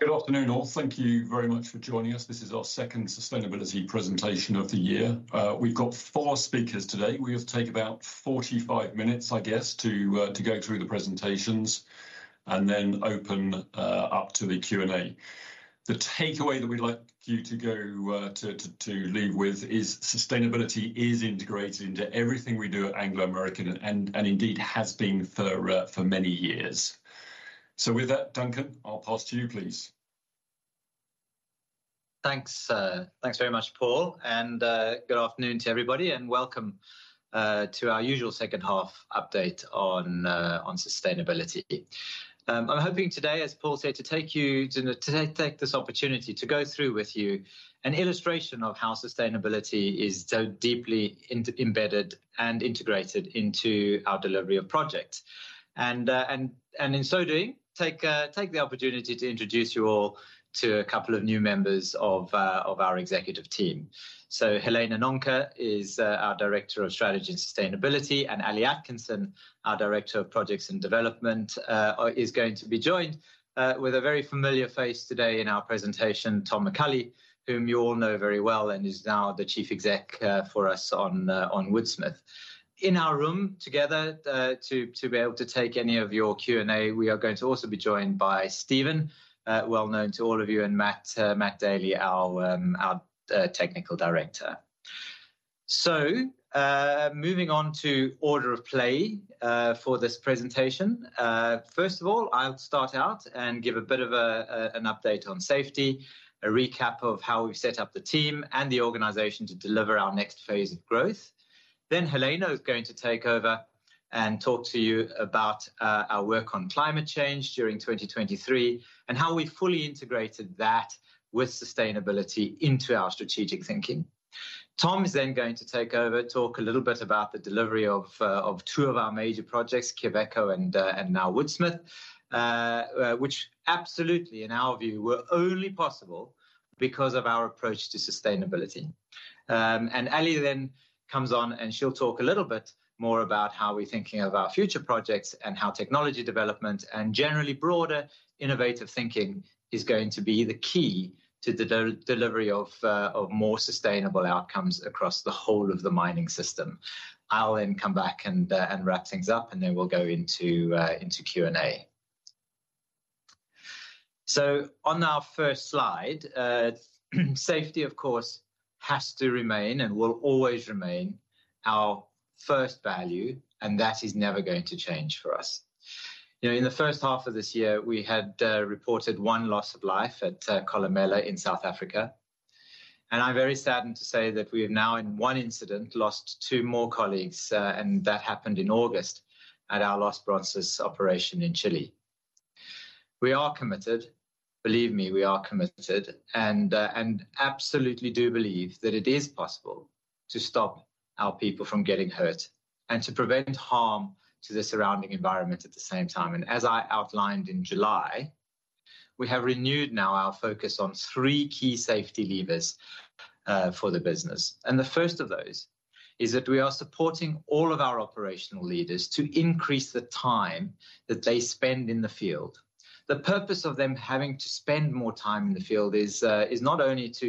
Good afternoon, all. Thank you very much for joining us. This is our second sustainability presentation of the year. We've got four speakers today. We have to take about 45 minutes, I guess, to go through the presentations and then open up to the Q&A. The takeaway that we'd like you to leave with is: sustainability is integrated into everything we do at Anglo American and indeed has been for many years. So with that, Duncan, I'll pass to you, please. Thanks, thanks very much, Paul, and good afternoon to everybody, and welcome to our usual second half update on sustainability. I'm hoping today, as Paul said, to take you to take this opportunity to go through with you an illustration of how sustainability is so deeply embedded and integrated into our delivery of projects. And in so doing, take the opportunity to introduce you all to a couple of new members of our executive team. So Helena Nonka is our Director of Strategy and Sustainability, and Alison Atkinson, our Director of Projects and Development, is going to be joined with a very familiar face today in our presentation, Tom McCulley, whom you all know very well and is now the Chief Exec for us on Woodsmith. In our room together, to be able to take any of your Q&A, we are going to also be joined by Stephen, well known to all of you, and Matt, Matt Daley, our Technical Director. So, moving on to order of play, for this presentation. First of all, I'll start out and give a bit of an update on safety, a recap of how we've set up the team and the organization to deliver our next phase of growth. Then Helena is going to take over and talk to you about our work on climate change during 2023, and how we've fully integrated that with sustainability into our strategic thinking. Tom is then going to take over, talk a little bit about the delivery of, of two of our major projects, Quellaveco and, and now Woodsmith, which absolutely, in our view, were only possible because of our approach to sustainability. And Ali then comes on, and she'll talk a little bit more about how we're thinking of our future projects and how technology development and generally broader innovative thinking is going to be the key to the delivery of, of more sustainable outcomes across the whole of the mining system. I'll then come back and, and wrap things up, and then we'll go into, into Q&A. So on our first slide, safety, of course, has to remain and will always remain our first value, and that is never going to change for us. You know, in the first half of this year, we had reported one loss of life at Kolomela in South Africa, and I'm very saddened to say that we have now, in one incident, lost two more colleagues, and that happened in August at our Los Bronces operation in Chile. We are committed, believe me, we are committed, and absolutely do believe that it is possible to stop our people from getting hurt and to prevent harm to the surrounding environment at the same time. As I outlined in July, we have renewed now our focus on three key safety levers for the business. The first of those is that we are supporting all of our operational leaders to increase the time that they spend in the field. The purpose of them having to spend more time in the field is not only to,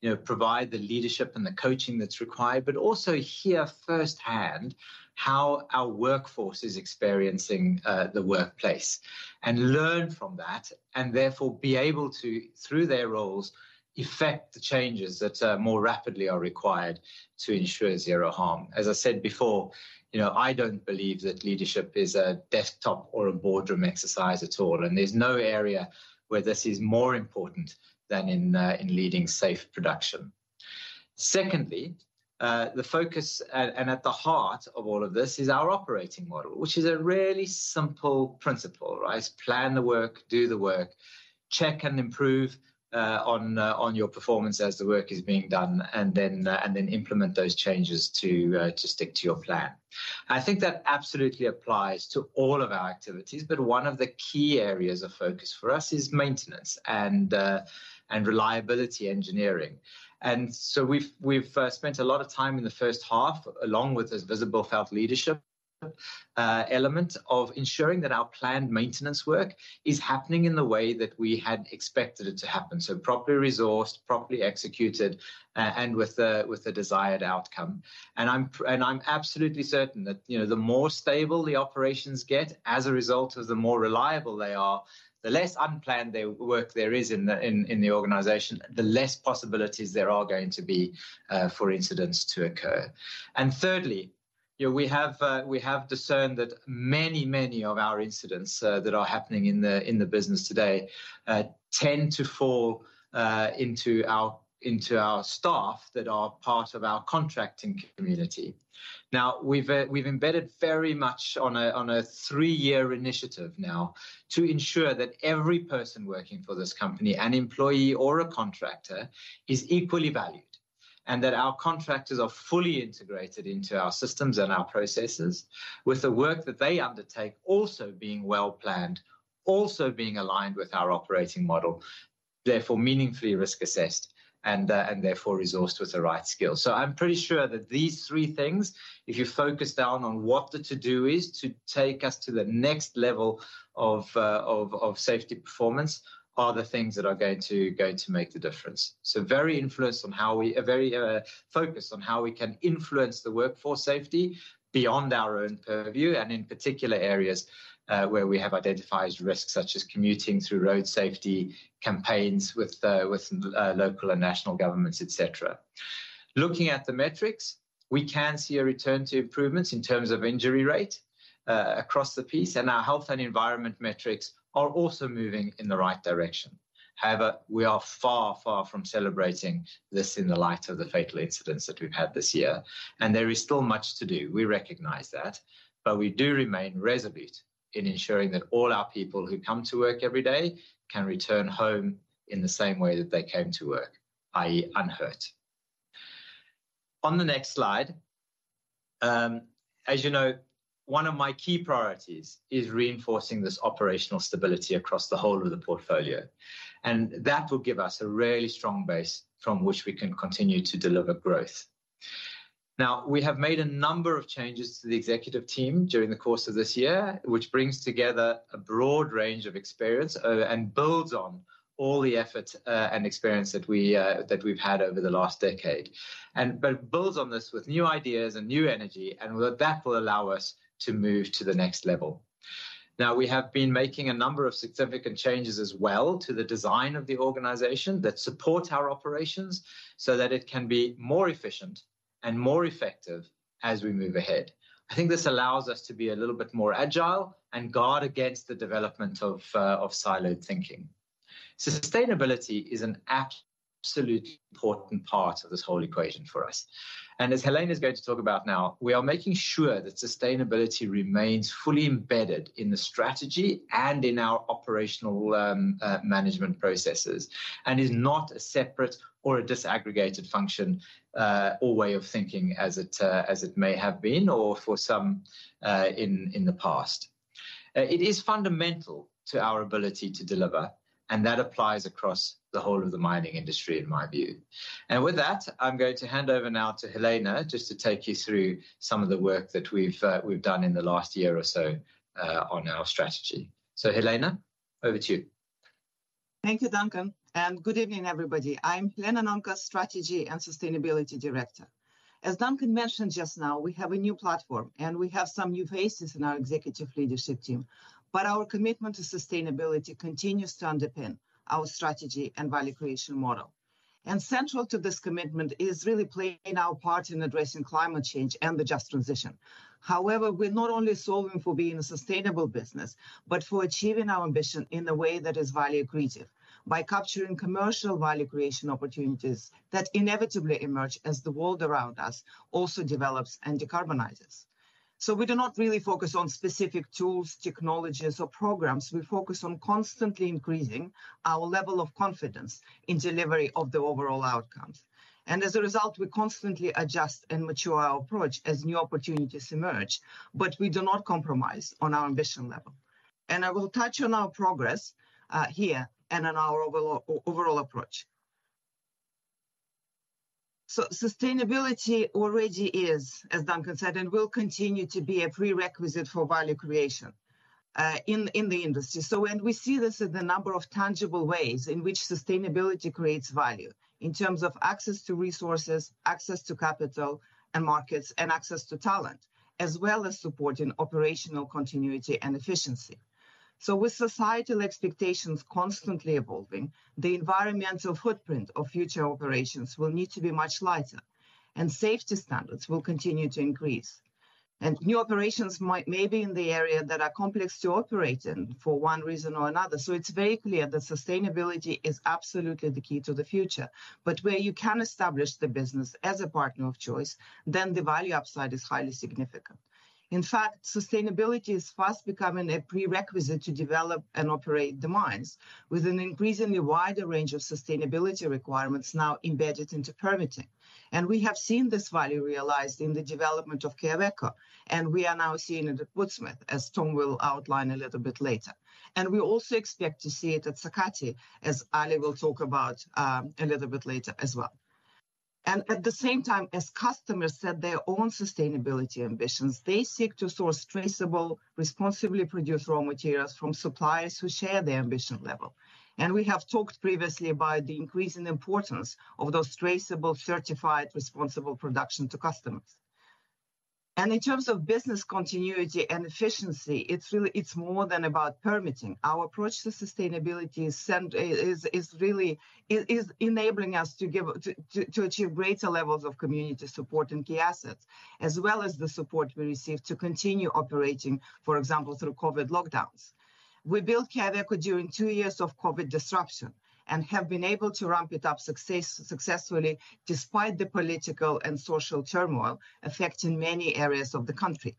you know, provide the leadership and the coaching that's required, but also hear firsthand how our workforce is experiencing the workplace, and learn from that, and therefore, be able to, through their roles, effect the changes that more rapidly are required to ensure zero harm. As I said before, you know, I don't believe that leadership is a desktop or a boardroom exercise at all, and there's no area where this is more important than in leading safe production. Secondly, the focus and at the heart of all of this is our operating model, which is a really simple principle, right? Plan the work, do the work, check and improve on your performance as the work is being done, and then implement those changes to stick to your plan. I think that absolutely applies to all of our activities, but one of the key areas of focus for us is maintenance and reliability engineering. And so we've spent a lot of time in the first half, along with this visible felt leadership element of ensuring that our planned maintenance work is happening in the way that we had expected it to happen. So properly resourced, properly executed, and with the desired outcome. And I'm absolutely certain that, you know, the more stable the operations get as a result of the more reliable they are, the less unplanned the work there is in the organization, the less possibilities there are going to be for incidents to occur. And thirdly, you know, we have discerned that many, many of our incidents that are happening in the business today tend to fall into our staff that are part of our contracting community. Now, we've embedded very much on a three-year initiative now to ensure that every person working for this company, an employee or a contractor, is equally valued. that our contractors are fully integrated into our systems and our processes, with the work that they undertake also being well-planned, also being aligned with our operating model, therefore meaningfully risk assessed, and therefore resourced with the right skills. So I'm pretty sure that these three things, if you focus down on what the to-do is to take us to the next level of safety performance, are the things that are going to make the difference. So very focused on how we can influence the workforce safety beyond our own purview, and in particular areas where we have identified risks, such as commuting through road safety campaigns with local and national governments, et cetera. Looking at the metrics, we can see a return to improvements in terms of injury rate, across the piece, and our health and environment metrics are also moving in the right direction. However, we are far, far from celebrating this in the light of the fatal incidents that we've had this year, and there is still much to do. We recognize that, but we do remain resolute in ensuring that all our people who come to work every day can return home in the same way that they came to work, i.e., unhurt. On the next slide, as you know, one of my key priorities is reinforcing this operational stability across the whole of the portfolio, and that will give us a really strong base from which we can continue to deliver growth. Now, we have made a number of changes to the executive team during the course of this year, which brings together a broad range of experience, and builds on all the effort, and experience that we, that we've had over the last decade. But builds on this with new ideas and new energy, that will allow us to move to the next level. Now, we have been making a number of significant changes as well to the design of the organization that support our operations, so that it can be more efficient and more effective as we move ahead. I think this allows us to be a little bit more agile and guard against the development of, of siloed thinking. So sustainability is an absolutely important part of this whole equation for us. As Helena is going to talk about now, we are making sure that sustainability remains fully embedded in the strategy and in our operational management processes, and is not a separate or a disaggregated function or way of thinking, as it may have been, or for some in the past. It is fundamental to our ability to deliver, and that applies across the whole of the mining industry, in my view. With that, I'm going to hand over now to Helena, just to take you through some of the work that we've done in the last year or so on our strategy. Helena, over to you. Thank you, Duncan, and good evening, everybody. I'm Helena Nonka, Strategy and Sustainability Director. As Duncan mentioned just now, we have a new platform, and we have some new faces in our executive leadership team, but our commitment to sustainability continues to underpin our strategy and value creation model. Central to this commitment is really playing our part in addressing climate change and the just transition. However, we're not only solving for being a sustainable business, but for achieving our ambition in a way that is value accretive, by capturing commercial value creation opportunities that inevitably emerge as the world around us also develops and decarbonizes. So we do not really focus on specific tools, technologies, or programs. We focus on constantly increasing our level of confidence in delivery of the overall outcomes. As a result, we constantly adjust and mature our approach as new opportunities emerge, but we do not compromise on our ambition level. I will touch on our progress here, and on our overall approach. Sustainability already is, as Duncan said, and will continue to be a prerequisite for value creation in the industry. We see this in a number of tangible ways in which sustainability creates value, in terms of access to resources, access to capital and markets, and access to talent, as well as supporting operational continuity and efficiency. With societal expectations constantly evolving, the environmental footprint of future operations will need to be much lighter, and safety standards will continue to increase. New operations may be in areas that are complex to operate in, for one reason or another. So it's very clear that sustainability is absolutely the key to the future. But where you can establish the business as a partner of choice, then the value upside is highly significant. In fact, sustainability is fast becoming a prerequisite to develop and operate the mines, with an increasingly wider range of sustainability requirements now embedded into permitting. And we have seen this value realized in the development of Quellaveco, and we are now seeing it at Woodsmith, as Tom will outline a little bit later. And we also expect to see it at Sakatti, as Ali will talk about, a little bit later as well. And at the same time, as customers set their own sustainability ambitions, they seek to source traceable, responsibly produced raw materials from suppliers who share their ambition level. We have talked previously about the increasing importance of those traceable, certified, responsible production to customers. In terms of business continuity and efficiency, it's really. It's more than about permitting. Our approach to sustainability is central. It is really enabling us to achieve greater levels of community support at key assets, as well as the support we receive to continue operating, for example, through COVID lockdowns. We built Quellaveco during two years of COVID disruption, and have been able to ramp it up successfully, despite the political and social turmoil affecting many areas of the country.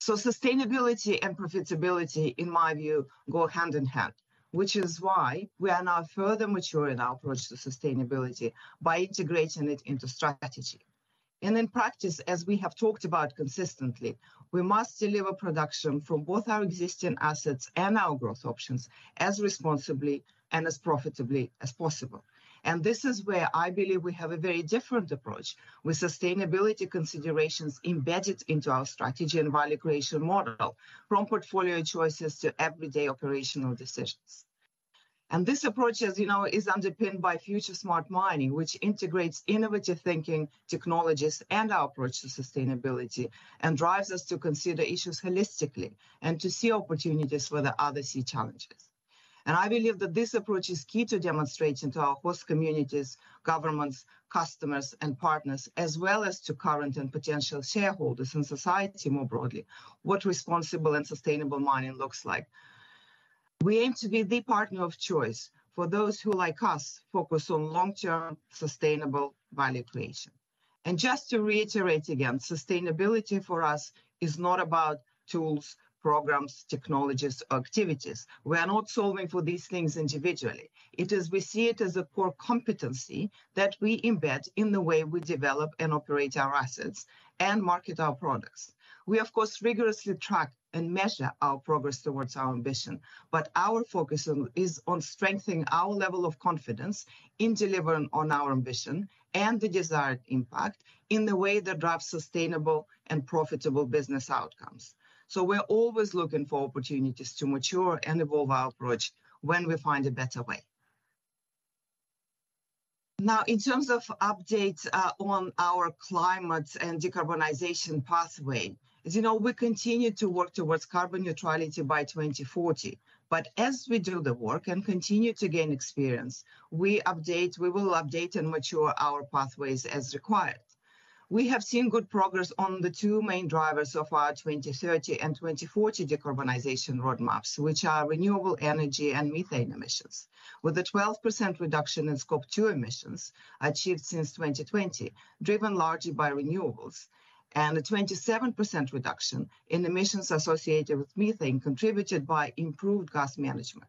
So sustainability and profitability, in my view, go hand in hand, which is why we are now further maturing our approach to sustainability by integrating it into strategy. In practice, as we have talked about consistently, we must deliver production from both our existing assets and our growth options as responsibly and as profitably as possible. This is where I believe we have a very different approach, with sustainability considerations embedded into our strategy and value creation model, from portfolio choices to everyday operational decisions. This approach, as you know, is underpinned by FutureSmart Mining, which integrates innovative thinking, technologies, and our approach to sustainability, and drives us to consider issues holistically and to see opportunities where others see challenges. I believe that this approach is key to demonstrating to our host communities, governments, customers, and partners, as well as to current and potential shareholders and society more broadly, what responsible and sustainable mining looks like. We aim to be the partner of choice for those who, like us, focus on long-term, sustainable value creation. Just to reiterate again, sustainability for us is not about tools, programs, technologies, or activities. We are not solving for these things individually. It is, we see it as a core competency that we embed in the way we develop and operate our assets and market our products. We, of course, rigorously track and measure our progress towards our ambition, but our focus on, is on strengthening our level of confidence in delivering on our ambition and the desired impact in the way that drives sustainable and profitable business outcomes. We're always looking for opportunities to mature and evolve our approach when we find a better way. Now, in terms of updates, on our climate and decarbonization pathway, as you know, we continue to work towards carbon neutrality by 2040. But as we do the work and continue to gain experience, we will update and mature our pathways as required. We have seen good progress on the two main drivers of our 2030 and 2040 decarbonization roadmaps, which are renewable energy and methane emissions, with a 12% reduction in Scope 2 emissions achieved since 2020, driven largely by renewables, and a 27% reduction in emissions associated with methane, contributed by improved gas management.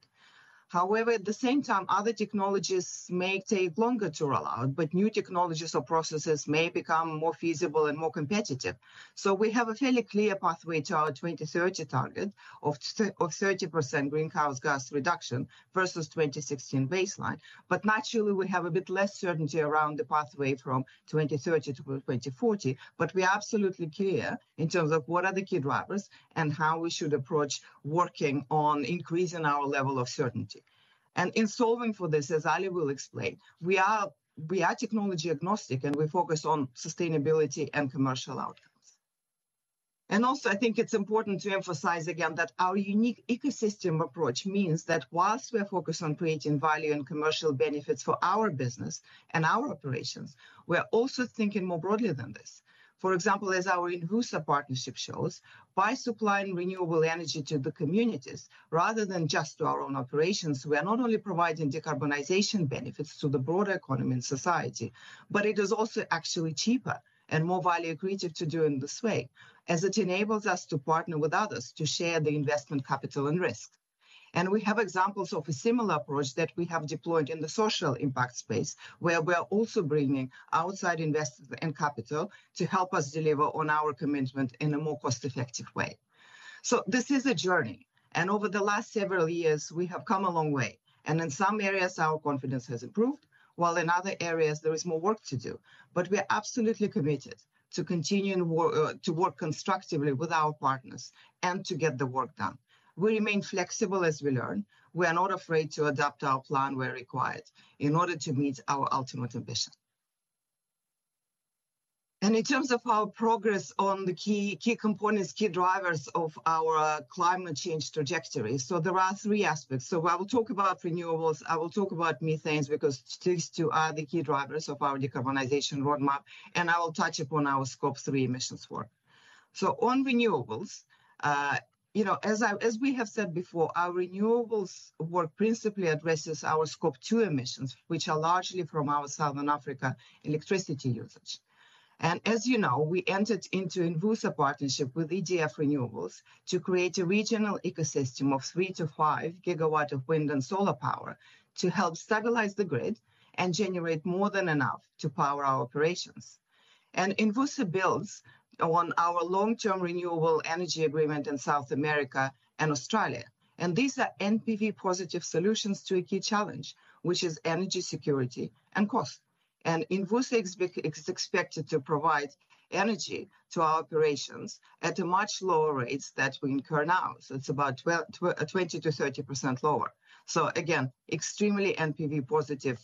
However, at the same time, other technologies may take longer to roll out, but new technologies or processes may become more feasible and more competitive. So we have a fairly clear pathway to our 2030 target of of 30% greenhouse gas reduction versus 2016 baseline. But naturally, we have a bit less certainty around the pathway from 2030 to 2040. But we are absolutely clear in terms of what are the key drivers and how we should approach working on increasing our level of certainty. And in solving for this, as Ali will explain, we are, we are technology agnostic, and we focus on sustainability and commercial outcomes. And also, I think it's important to emphasize again that our unique ecosystem approach means that whilst we are focused on creating value and commercial benefits for our business and our operations, we are also thinking more broadly than this. For example, as our Envusa partnership shows, by supplying renewable energy to the communities rather than just to our own operations, we are not only providing decarbonization benefits to the broader economy and society, but it is also actually cheaper and more value accretive to do in this way, as it enables us to partner with others to share the investment capital and risk. And we have examples of a similar approach that we have deployed in the social impact space, where we are also bringing outside investors and capital to help us deliver on our commitment in a more cost-effective way. So this is a journey, and over the last several years we have come a long way, and in some areas our confidence has improved, while in other areas there is more work to do. But we are absolutely committed to continuing work to work constructively with our partners and to get the work done. We remain flexible as we learn. We are not afraid to adapt our plan where required in order to meet our ultimate ambition. And in terms of our progress on the key, key components, key drivers of our climate change trajectory, so there are three aspects. So I will talk about renewables, I will talk about methane, because these two are the key drivers of our decarbonization roadmap, and I will touch upon our Scope 3 emissions work. So on renewables, you know, as we have said before, our renewables work principally addresses our Scope 2 emissions, which are largely from our Southern Africa electricity usage. As you know, we entered into Envusa partnership with EDF Renewables to create a regional ecosystem of 3-5 gigawatt of wind and solar power to help stabilize the grid and generate more than enough to power our operations. Envusa builds on our long-term renewable energy agreement in South America and Australia. These are NPV-positive solutions to a key challenge, which is energy security and cost. Envusa is expected to provide energy to our operations at a much lower rates than we incur now, so it's about 20%-30% lower. Again, extremely NPV-positive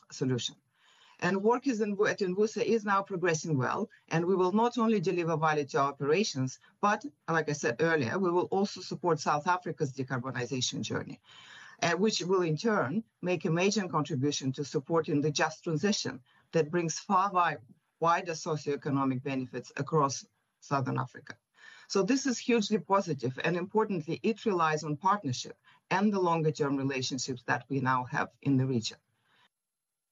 solution. Work at Envusa is now progressing well, and we will not only deliver value to our operations, but like I said earlier, we will also support South Africa's decarbonization journey, which will in turn make a major contribution to supporting the just transition that brings wider socioeconomic benefits across Southern Africa. So this is hugely positive, and importantly, it relies on partnership and the longer-term relationships that we now have in the region.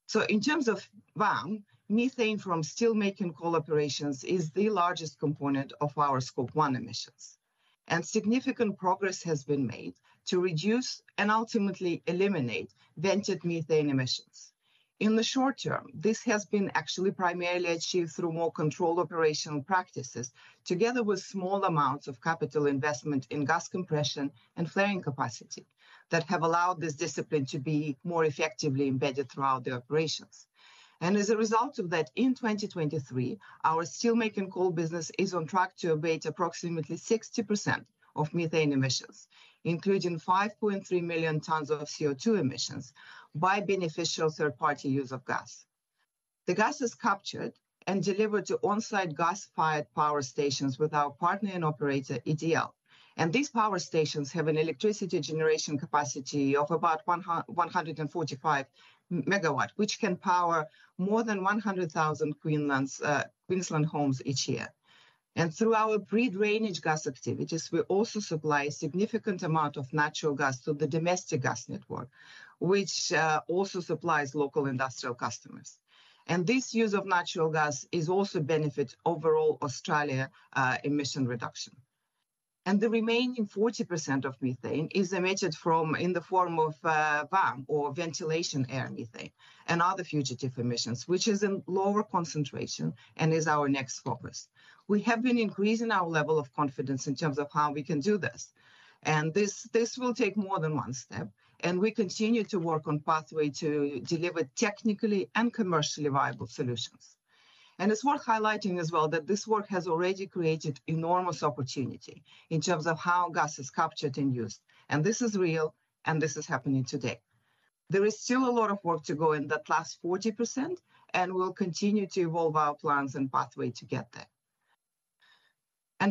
So in terms of one, methane from steelmaking coal operations is the largest component of our Scope 1 emissions, and significant progress has been made to reduce, and ultimately eliminate, vented methane emissions. In the short term, this has been actually primarily achieved through more controlled operational practices, together with small amounts of capital investment in gas compression and flaring capacity, that have allowed this discipline to be more effectively embedded throughout the operations. As a result of that, in 2023, our steelmaking coal business is on track to abate approximately 60% of methane emissions, including 5.3 million tons of CO2 emissions by beneficial third-party use of gas. The gas is captured and delivered to on-site gas-fired power stations with our partner and operator, EDL. These power stations have an electricity generation capacity of about 145 MW, which can power more than 100,000 Queensland homes each year. Through our pre-drainage gas activities, we also supply a significant amount of natural gas to the domestic gas network, which also supplies local industrial customers. And this use of natural gas is also benefit overall Australia emission reduction. And the remaining 40% of methane is emitted from, in the form of, VAM, or ventilation air methane, and other fugitive emissions, which is in lower concentration and is our next focus. We have been increasing our level of confidence in terms of how we can do this, and this, this will take more than one step, and we continue to work on pathway to deliver technically and commercially viable solutions. And it's worth highlighting as well, that this work has already created enormous opportunity in terms of how gas is captured and used, and this is real, and this is happening today. There is still a lot of work to go in that last 40%, and we'll continue to evolve our plans and pathway to get there.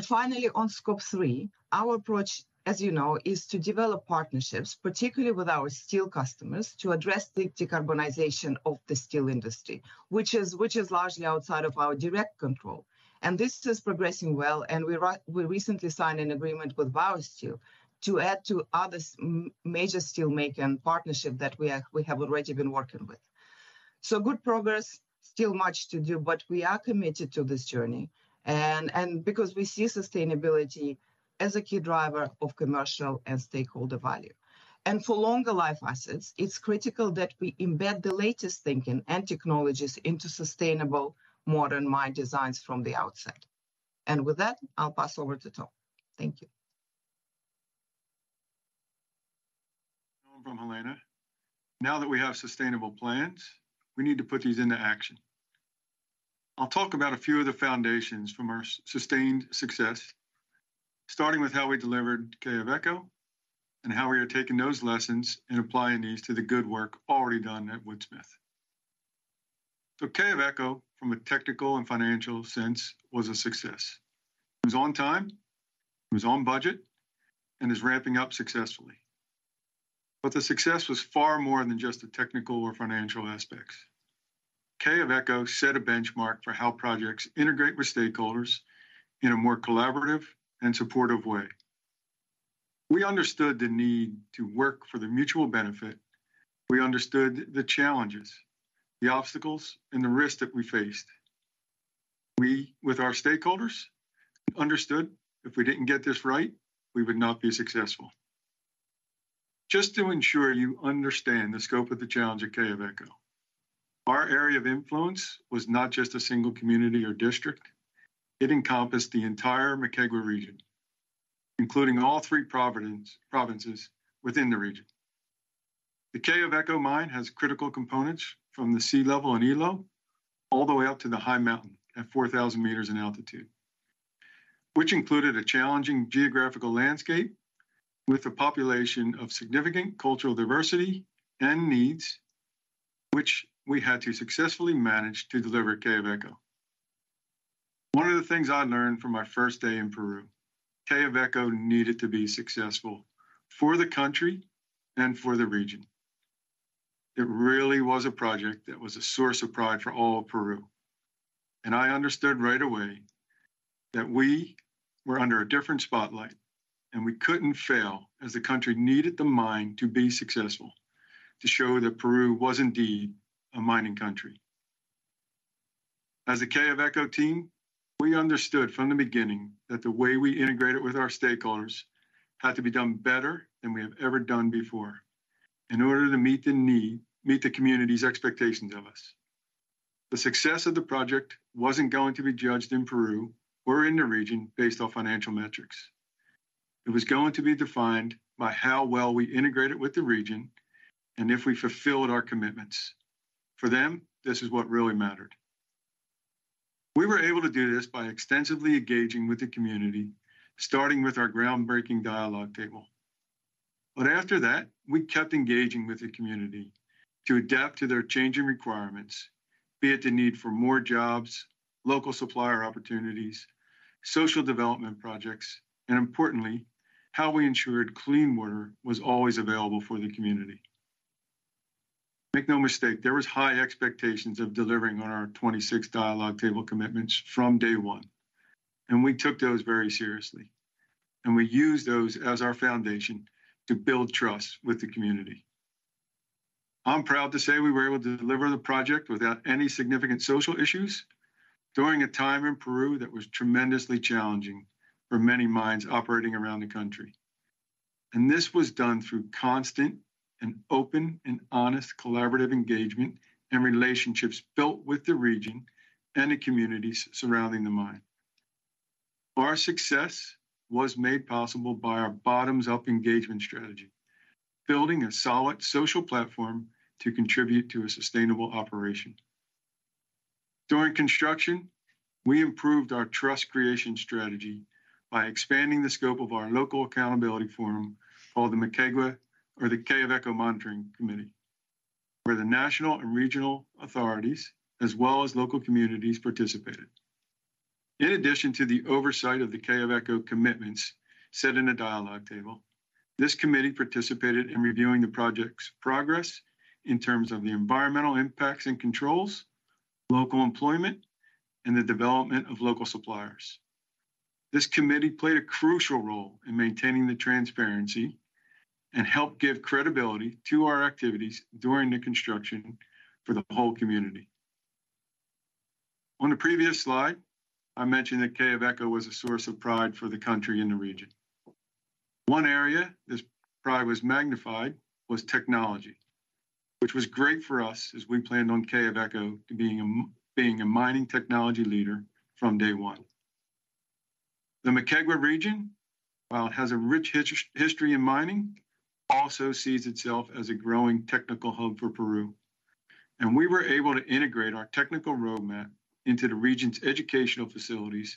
Finally, on Scope 3, our approach, as you know, is to develop partnerships, particularly with our steel customers, to address the decarbonization of the steel industry, which is largely outside of our direct control. This is progressing well, and we recently signed an agreement with Vale Steel to add to other major steelmaking partnership that we have already been working with. So good progress, still much to do, but we are committed to this journey, and because we see sustainability as a key driver of commercial and stakeholder value. For longer life assets, it's critical that we embed the latest thinking and technologies into sustainable modern mine designs from the outset. With that, I'll pass over to Tom. Thank you. Over from Helena. Now that we have sustainable plans, we need to put these into action. I'll talk about a few of the foundations from our sustained success, starting with how we delivered Quellaveco, and how we are taking those lessons and applying these to the good work already done at Woodsmith. So Quellaveco, from a technical and financial sense, was a success. It was on time, it was on budget, and is ramping up successfully. But the success was far more than just the technical or financial aspects. Quellaveco set a benchmark for how projects integrate with stakeholders in a more collaborative and supportive way. We understood the need to work for the mutual benefit. We understood the challenges, the obstacles, and the risks that we faced. We, with our stakeholders, understood if we didn't get this right, we would not be successful. Just to ensure you understand the scope of the challenge at Quellaveco, our area of influence was not just a single community or district, it encompassed the entire Moquegua region, including all three provinces within the region. The Quellaveco mine has critical components from the sea level in Ilo, all the way up to the high mountain at 4,000 meters in altitude, which included a challenging geographical landscape with a population of significant cultural diversity and needs, which we had to successfully manage to deliver Quellaveco. One of the things I learned from my first day in Peru, Quellaveco needed to be successful for the country and for the region. It really was a project that was a source of pride for all of Peru, and I understood right away that we were under a different spotlight, and we couldn't fail, as the country needed the mine to be successful, to show that Peru was indeed a mining country. As a Quellaveco team, we understood from the beginning that the way we integrated with our stakeholders had to be done better than we have ever done before in order to meet the community's expectations of us. The success of the project wasn't going to be judged in Peru or in the region based on financial metrics. It was going to be defined by how well we integrated with the region and if we fulfilled our commitments. For them, this is what really mattered. We were able to do this by extensively engaging with the community, starting with our groundbreaking Dialogue Table. After that, we kept engaging with the community to adapt to their changing requirements, be it the need for more jobs, local supplier opportunities, social development projects, and importantly, how we ensured clean water was always available for the community. Make no mistake, there was high expectations of delivering on our 26 Dialogue Table commitments from day one, and we took those very seriously, and we used those as our foundation to build trust with the community. I'm proud to say we were able to deliver the project without any significant social issues during a time in Peru that was tremendously challenging for many mines operating around the country. This was done through constant and open and honest collaborative engagement and relationships built with the region and the communities surrounding the mine. Our success was made possible by our bottoms-up engagement strategy, building a solid social platform to contribute to a sustainable operation. During construction, we improved our trust creation strategy by expanding the scope of our local accountability forum called the Makegwa or the Quellaveco Monitoring Committee, where the national and regional authorities, as well as local communities, participated. In addition to the oversight of the Quellaveco commitments set in the Dialogue Table, this committee participated in reviewing the project's progress in terms of the environmental impacts and controls, local employment, and the development of local suppliers. This committee played a crucial role in maintaining the transparency and helped give credibility to our activities during the construction for the whole community. On the previous slide, I mentioned that Quellaveco was a source of pride for the country and the region. One area this pride was magnified was technology, which was great for us as we planned on Quellaveco being a mining technology leader from day one. The Moquegua region, while it has a rich history in mining, also sees itself as a growing technical hub for Peru. We were able to integrate our technical roadmap into the region's educational facilities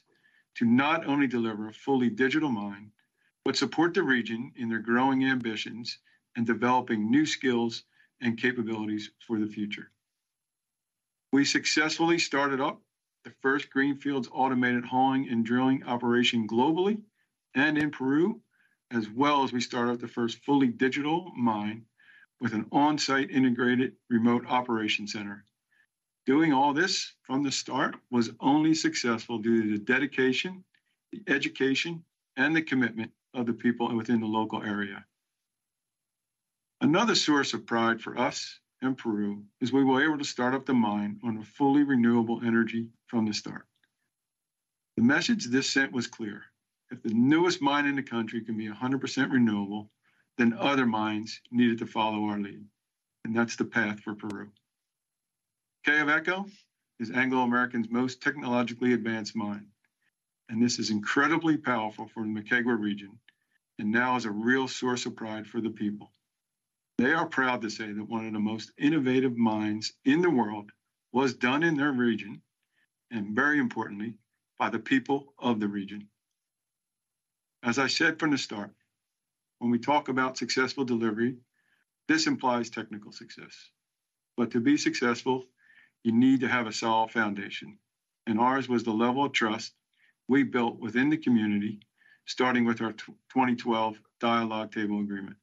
to not only deliver a fully digital mine, but support the region in their growing ambitions and developing new skills and capabilities for the future. We successfully started up the first greenfield automated hauling and drilling operation globally and in Peru, as well as we started the first fully digital mine with an on-site integrated remote operation center. Doing all this from the start was only successful due to the dedication, the education, and the commitment of the people within the local area. Another source of pride for us and Peru is we were able to start up the mine on a fully renewable energy from the start. The message this sent was clear: If the newest mine in the country can be 100% renewable, then other mines needed to follow our lead, and that's the path for Peru. Quellaveco is Anglo American's most technologically advanced mine, and this is incredibly powerful for the Moquegua region, and now is a real source of pride for the people. They are proud to say that one of the most innovative mines in the world was done in their region, and very importantly, by the people of the region. As I said from the start, when we talk about successful delivery, this implies technical success. But to be successful, you need to have a solid foundation, and ours was the level of trust we built within the community, starting with our 2012 Dialogue Table agreement.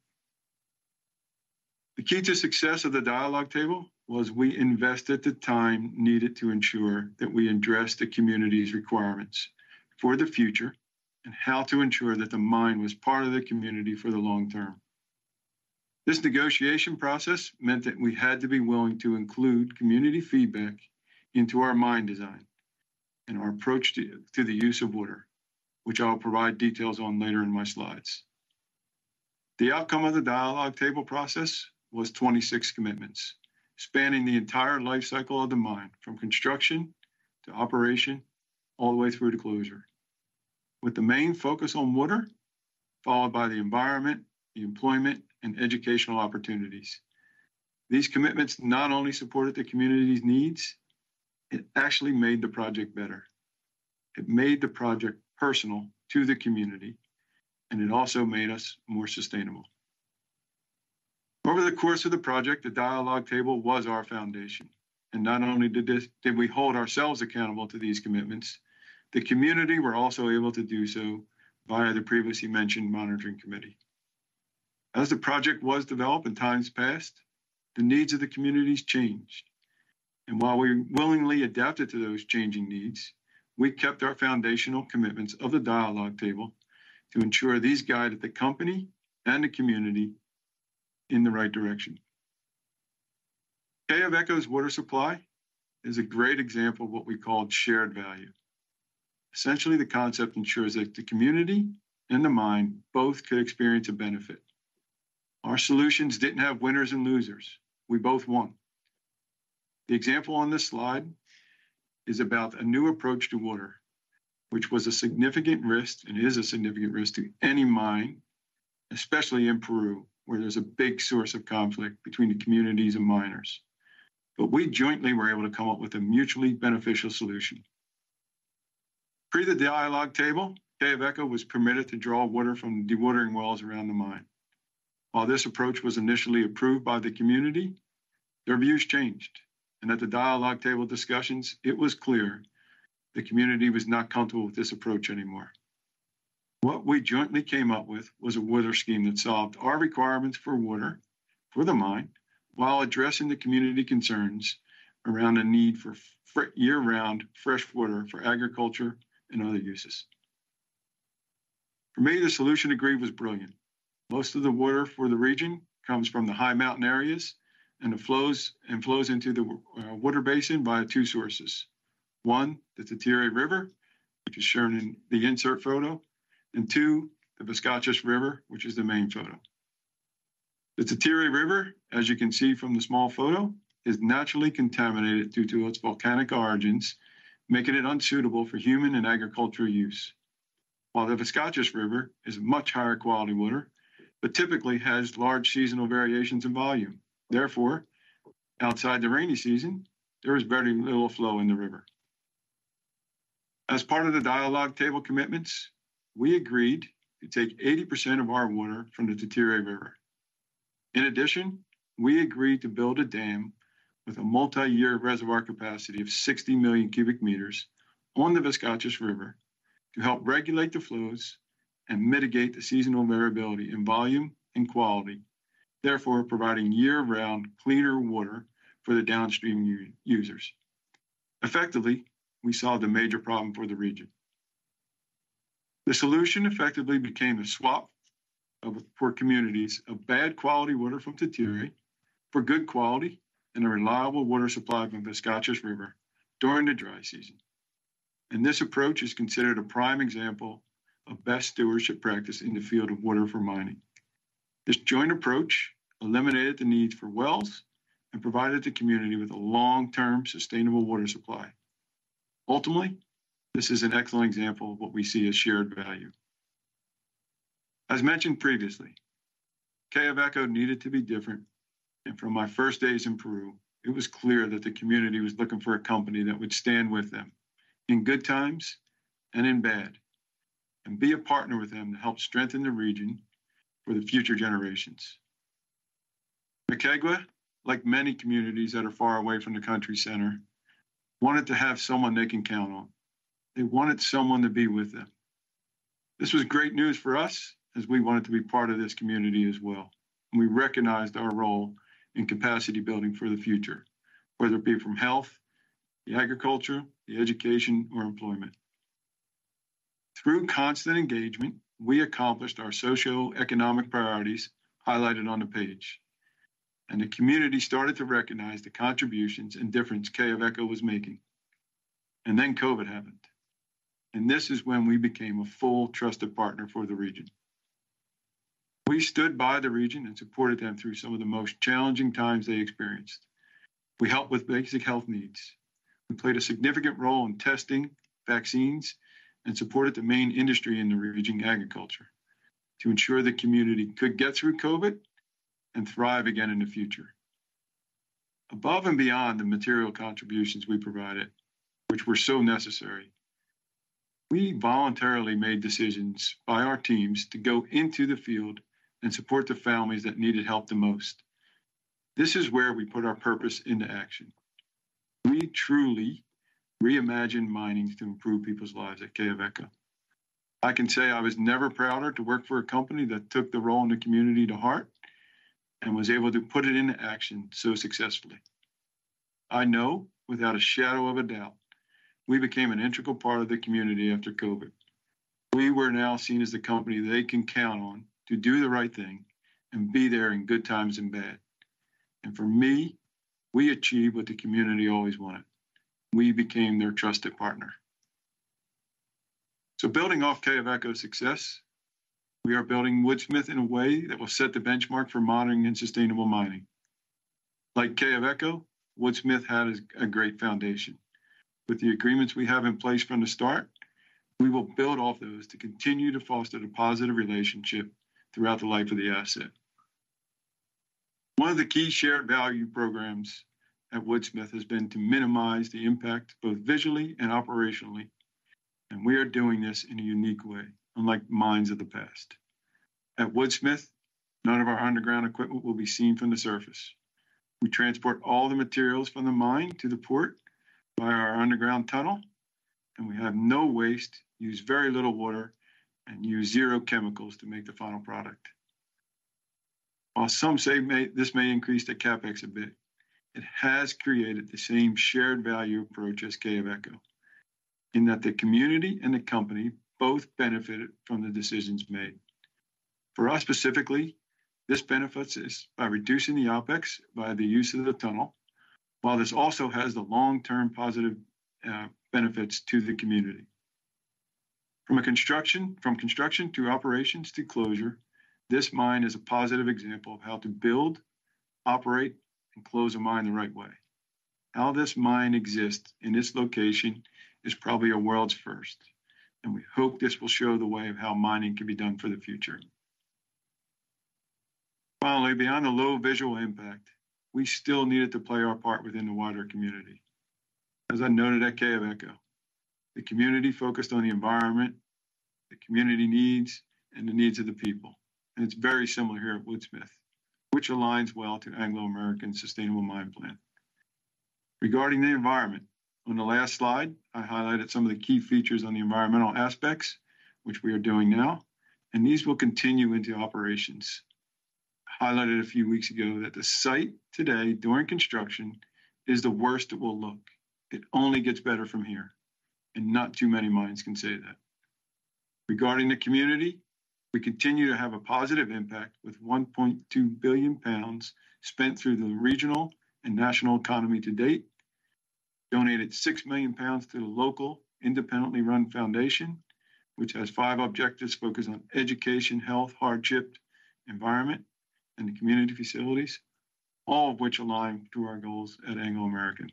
The key to success of the Dialogue Table was we invested the time needed to ensure that we addressed the community's requirements for the future and how to ensure that the mine was part of the community for the long term. This negotiation process meant that we had to be willing to include community feedback into our mine design and our approach to the use of water, which I'll provide details on later in my slides. The outcome of the Dialogue Table process was 26 commitments, spanning the entire life cycle of the mine, from construction to operation, all the way through to closure, with the main focus on water, followed by the environment, the employment, and educational opportunities. These commitments not only supported the community's needs; it actually made the project better. It made the project personal to the community, and it also made us more sustainable. Over the course of the project, the Dialogue Table was our foundation, and not only did we hold ourselves accountable to these commitments, the community were also able to do so via the previously mentioned monitoring committee. As the project was developed and times passed, the needs of the communities changed, and while we willingly adapted to those changing needs, we kept our foundational commitments of the Dialogue Table to ensure these guided the company and the community in the right direction. Quellaveco's water supply is a great example of what we call shared value. Essentially, the concept ensures that the community and the mine both could experience a benefit. Our solutions didn't have winners and losers. We both won. The example on this slide is about a new approach to water, which was a significant risk and is a significant risk to any mine, especially in Peru, where there's a big source of conflict between the communities and miners. But we jointly were able to come up with a mutually beneficial solution. Pre the dialogue table, Quellaveco was permitted to draw water from dewatering wells around the mine. While this approach was initially approved by the community, their views changed, and at the dialogue table discussions, it was clear the community was not comfortable with this approach anymore. What we jointly came up with was a water scheme that solved our requirements for water for the mine, while addressing the community concerns around a need for year-round fresh water for agriculture and other uses.... For me, the solution agreed was brilliant. Most of the water for the region comes from the high mountain areas, and it flows, and flows into the water basin via two sources. One, the Titire River, which is shown in the insert photo, and two, the Vizcachas River, which is the main photo. The Titire River, as you can see from the small photo, is naturally contaminated due to its volcanic origins, making it unsuitable for human and agricultural use. While the Vizcachas River is much higher quality water, but typically has large seasonal variations in volume. Therefore, outside the rainy season, there is very little flow in the river. As part of the dialogue table commitments, we agreed to take 80% of our water from the Titire River. In addition, we agreed to build a dam with a multi-year reservoir capacity of 60 million cubic meters on the Vizcachas River to help regulate the flows and mitigate the seasonal variability in volume and quality, therefore, providing year-round cleaner water for the downstream users. Effectively, we solved a major problem for the region. The solution effectively became a swap for communities of bad quality water from Titire for good quality and a reliable water supply from Vizcachas River during the dry season. This approach is considered a prime example of best stewardship practice in the field of water for mining. This joint approach eliminated the need for wells and provided the community with a long-term, sustainable water supply. Ultimately, this is an excellent example of what we see as shared value. As mentioned previously, Quellaveco needed to be different, and from my first days in Peru, it was clear that the community was looking for a company that would stand with them in good times and in bad, and be a partner with them to help strengthen the region for the future generations. Macaigua, like many communities that are far away from the country's center, wanted to have someone they can count on. They wanted someone to be with them. This was great news for us, as we wanted to be part of this community as well, and we recognized our role in capacity building for the future, whether it be from health, the agriculture, the education, or employment. Through constant engagement, we accomplished our socioeconomic priorities highlighted on the page, and the community started to recognize the contributions and difference Quellaveco was making. And then COVID happened, and this is when we became a full, trusted partner for the region. We stood by the region and supported them through some of the most challenging times they experienced. We helped with basic health needs. We played a significant role in testing vaccines, and supported the main industry in the region, agriculture, to ensure the community could get through COVID and thrive again in the future. Above and beyond the material contributions we provided, which were so necessary, we voluntarily made decisions by our teams to go into the field and support the families that needed help the most. This is where we put our purpose into action. We truly reimagined mining to improve people's lives at Quellaveco. I can say I was never prouder to work for a company that took the role in the community to heart and was able to put it into action so successfully. I know, without a shadow of a doubt, we became an integral part of the community after COVID. We were now seen as the company they can count on to do the right thing and be there in good times and bad. And for me, we achieved what the community always wanted. We became their trusted partner. So building off Quellaveco's success, we are building Woodsmith in a way that will set the benchmark for modern and sustainable mining. Like Quellaveco, Woodsmith had a great foundation. With the agreements we have in place from the start, we will build off those to continue to foster a positive relationship throughout the life of the asset. One of the key shared value programs at Woodsmith has been to minimize the impact, both visually and operationally, and we are doing this in a unique way, unlike mines of the past. At Woodsmith, none of our underground equipment will be seen from the surface. We transport all the materials from the mine to the port via our underground tunnel, and we have no waste, use very little water, and use zero chemicals to make the final product. While some say this may increase the CapEx a bit, it has created the same shared value approach as Quellaveco, in that the community and the company both benefited from the decisions made. For us, specifically, this benefits us by reducing the OpEx via the use of the tunnel, while this also has the long-term positive benefits to the community. From construction to operations to closure, this mine is a positive example of how to build, operate, and close a mine the right way. How this mine exists in this location is probably a world's first, and we hope this will show the way of how mining can be done for the future. Finally, beyond the low visual impact, we still needed to play our part within the wider community. As I noted at Quellaveco, the community focused on the environment, the community needs, and the needs of the people, and it's very similar here at Woodsmith, which aligns well to Anglo American's sustainable mine plan. Regarding the environment, on the last slide, I highlighted some of the key features on the environmental aspects, which we are doing now, and these will continue into operations.... highlighted a few weeks ago that the site today during construction is the worst it will look. It only gets better from here, and not too many mines can say that. Regarding the community, we continue to have a positive impact, with 1.2 billion pounds spent through the regional and national economy to date. Donated 6 million pounds to the local independently run foundation, which has five objectives focused on education, health, hardship, environment, and community facilities, all of which align to our goals at Anglo American.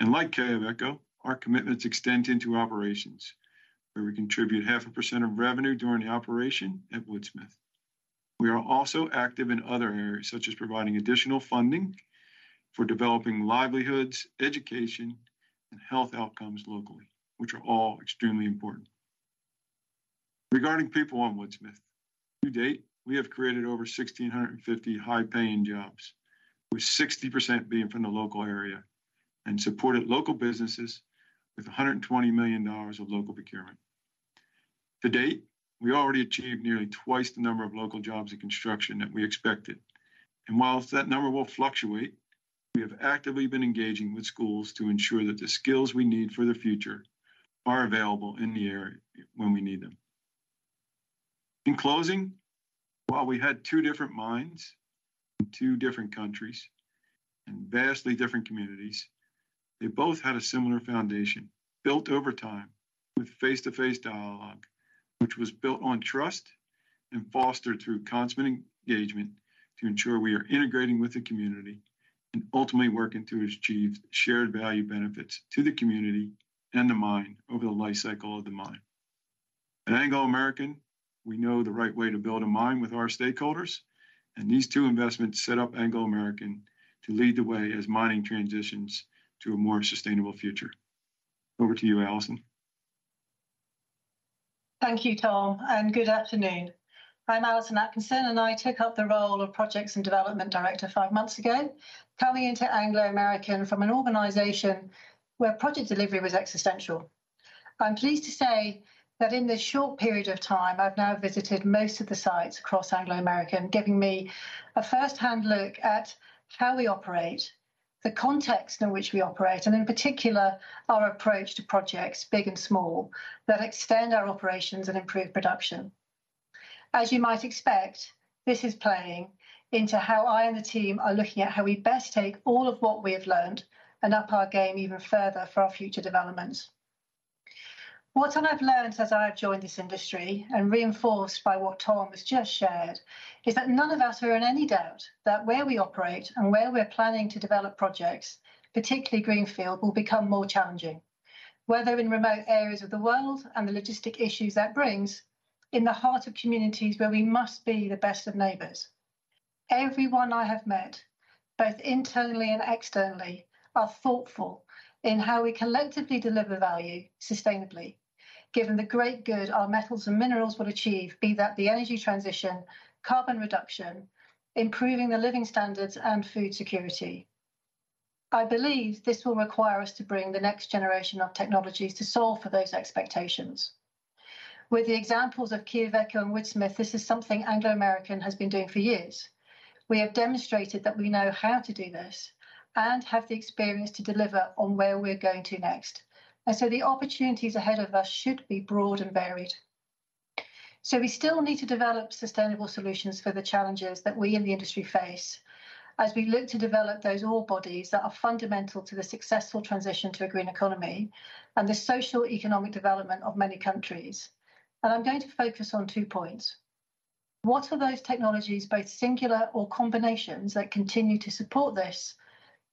And like Quellaveco, our commitments extend into operations, where we contribute 0.5% of revenue during the operation at Woodsmith. We are also active in other areas, such as providing additional funding for developing livelihoods, education, and health outcomes locally, which are all extremely important. Regarding people on Woodsmith, to date, we have created over 1,650 high-paying jobs, with 60% being from the local area, and supported local businesses with $120 million of local procurement. To date, we already achieved nearly twice the number of local jobs in construction than we expected. While that number will fluctuate, we have actively been engaging with schools to ensure that the skills we need for the future are available in the area when we need them. In closing, while we had two different mines in two different countries and vastly different communities, they both had a similar foundation, built over time with face-to-face dialogue, which was built on trust and fostered through constant engagement to ensure we are integrating with the community and ultimately working to achieve shared value benefits to the community and the mine over the lifecycle of the mine. At Anglo American, we know the right way to build a mine with our stakeholders, and these two investments set up Anglo American to lead the way as mining transitions to a more sustainable future. Over to you, Alison. Thank you, Tom, and good afternoon. I'm Alison Atkinson, and I took up the role of Projects and Development Director five months ago, coming into Anglo American from an organization where project delivery was existential. I'm pleased to say that in this short period of time, I've now visited most of the sites across Anglo American, giving me a first-hand look at how we operate, the context in which we operate, and in particular, our approach to projects, big and small, that extend our operations and improve production. As you might expect, this is playing into how I and the team are looking at how we best take all of what we have learned and up our game even further for our future developments. What I've learned as I've joined this industry, and reinforced by what Tom has just shared, is that none of us are in any doubt that where we operate and where we're planning to develop projects, particularly Greenfield, will become more challenging, whether in remote areas of the world and the logistic issues that brings, in the heart of communities where we must be the best of neighbors. Everyone I have met, both internally and externally, are thoughtful in how we collectively deliver value sustainably, given the great good our metals and minerals will achieve, be that the energy transition, carbon reduction, improving the living standards and food security. I believe this will require us to bring the next generation of technologies to solve for those expectations. With the examples of Quellaveco and Woodsmith, this is something Anglo American has been doing for years. We have demonstrated that we know how to do this and have the experience to deliver on where we're going to next. So the opportunities ahead of us should be broad and varied. We still need to develop sustainable solutions for the challenges that we in the industry face as we look to develop those ore bodies that are fundamental to the successful transition to a green economy and the social economic development of many countries. I'm going to focus on two points. What are those technologies, both singular or combinations, that continue to support this?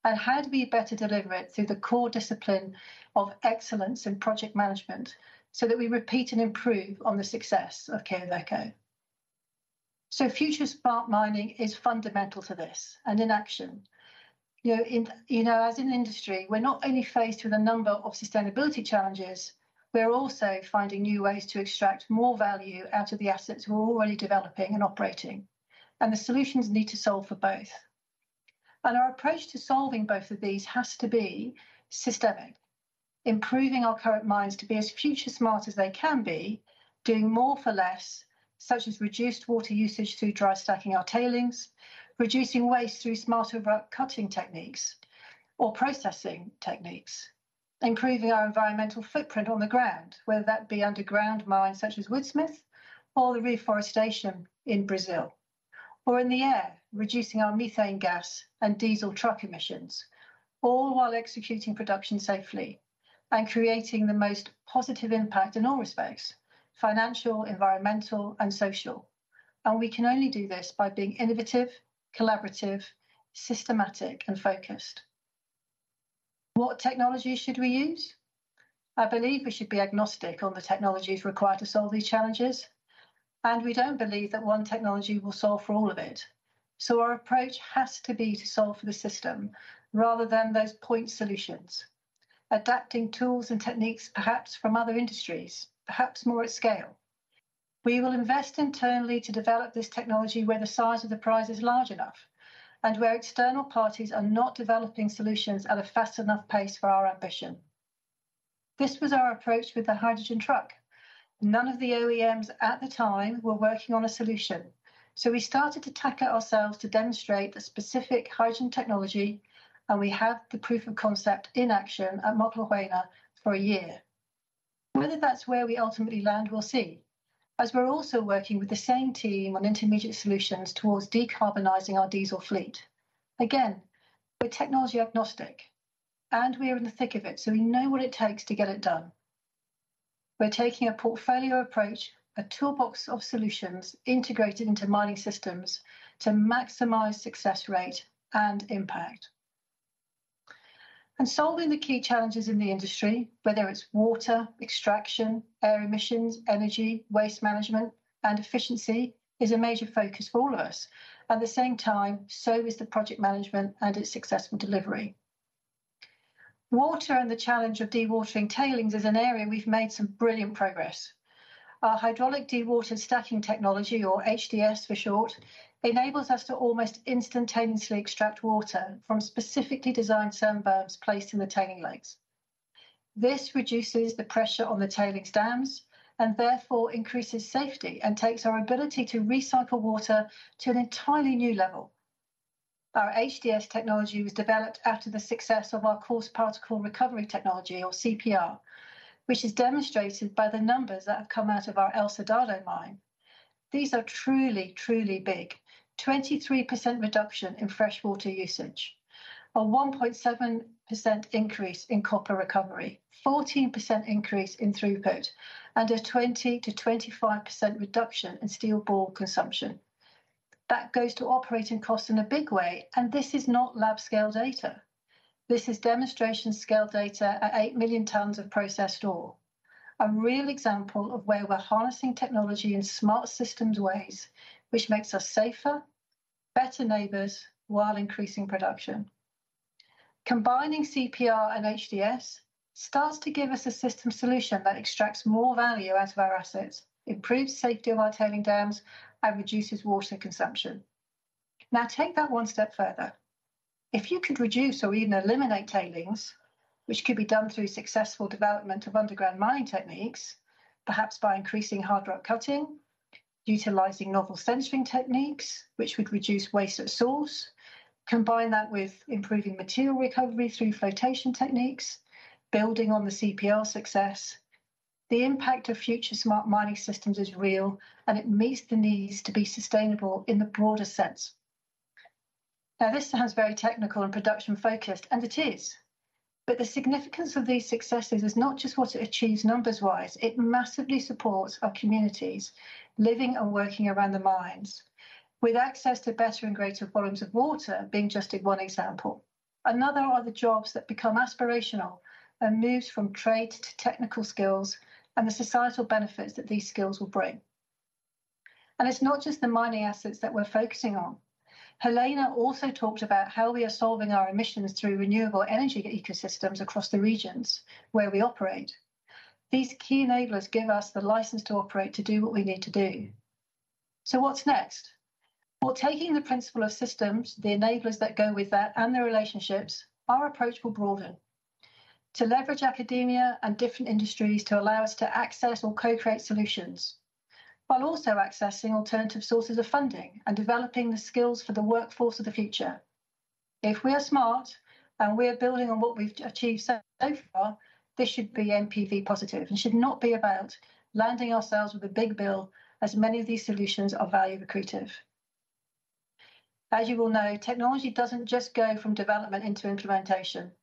And how do we better deliver it through the core discipline of excellence in project management so that we repeat and improve on the success of Quellaveco? FutureSmart Mining is fundamental to this and in action. You know, in, you know, as an industry, we're not only faced with a number of sustainability challenges, we're also finding new ways to extract more value out of the assets we're already developing and operating, and the solutions need to solve for both. Our approach to solving both of these has to be systemic, improving our current mines to be as future smart as they can be, doing more for less, such as reduced water usage through dry stacking our tailings, reducing waste through smarter rock cutting techniques or processing techniques, improving our environmental footprint on the ground, whether that be underground mines such as Woodsmith or the reforestation in Brazil, or in the air, reducing our methane gas and diesel truck emissions, all while executing production safely and creating the most positive impact in all respects, financial, environmental, and social. And we can only do this by being innovative, collaborative, systematic, and focused. What technology should we use? I believe we should be agnostic on the technologies required to solve these challenges, and we don't believe that one technology will solve for all of it. So our approach has to be to solve for the system rather than those point solutions, adapting tools and techniques, perhaps from other industries, perhaps more at scale. We will invest internally to develop this technology where the size of the prize is large enough and where external parties are not developing solutions at a fast enough pace for our ambition.... This was our approach with the hydrogen truck. None of the OEMs at the time were working on a solution, so we started to tackle it ourselves to demonstrate the specific hydrogen technology, and we have the proof of concept in action at Mogalakwena for a year. Whether that's where we ultimately land, we'll see, as we're also working with the same team on intermediate solutions towards decarbonizing our diesel fleet. Again, we're technology agnostic, and we are in the thick of it, so we know what it takes to get it done. We're taking a portfolio approach, a toolbox of solutions integrated into mining systems to maximize success rate and impact. And solving the key challenges in the industry, whether it's water, extraction, air emissions, energy, waste management, and efficiency, is a major focus for all of us. At the same time, so is the project management and its successful delivery. Water and the challenge of dewatering tailings is an area we've made some brilliant progress. Our hydraulic dewatered stacking technology, or HDS for short, enables us to almost instantaneously extract water from specifically designed sand berms placed in the tailings lakes. This reduces the pressure on the tailings dams, and therefore increases safety and takes our ability to recycle water to an entirely new level. Our HDS technology was developed after the success of our coarse particle recovery technology, or CPR, which is demonstrated by the numbers that have come out of our El Soldado mine. These are truly, truly big. 23% reduction in fresh water usage, a 1.7% increase in copper recovery, 14% increase in throughput, and a 20%-25% reduction in steel ball consumption. That goes to operating costs in a big way, and this is not lab scale data. This is demonstration scale data at 8 million tons of processed ore. A real example of where we're harnessing technology in smart systems ways, which makes us safer, better neighbors, while increasing production. Combining CPR and HDS starts to give us a system solution that extracts more value out of our assets, improves safety of our tailings dams, and reduces water consumption. Now, take that one step further. If you could reduce or even eliminate tailings, which could be done through successful development of underground mining techniques, perhaps by increasing hard rock cutting, utilizing novel sensing techniques, which would reduce waste at source, combine that with improving material recovery through flotation techniques, building on the CPR success, the impact of future smart mining systems is real, and it meets the needs to be sustainable in the broader sense. Now, this sounds very technical and production-focused, and it is, but the significance of these successes is not just what it achieves numbers-wise. It massively supports our communities living and working around the mines, with access to better and greater volumes of water being just one example. Another are the jobs that become aspirational and moves from trade to technical skills and the societal benefits that these skills will bring. And it's not just the mining assets that we're focusing on. Helena also talked about how we are solving our emissions through renewable energy ecosystems across the regions where we operate. These key enablers give us the license to operate, to do what we need to do. So what's next? Well, taking the principle of systems, the enablers that go with that, and the relationships, our approach will broaden. To leverage academia and different industries to allow us to access or co-create solutions, while also accessing alternative sources of funding and developing the skills for the workforce of the future. If we are smart, and we are building on what we've achieved so, so far, this should be NPV positive and should not be about landing ourselves with a big bill, as many of these solutions are value accretive. As you all know, technology doesn't just go from development into implementation.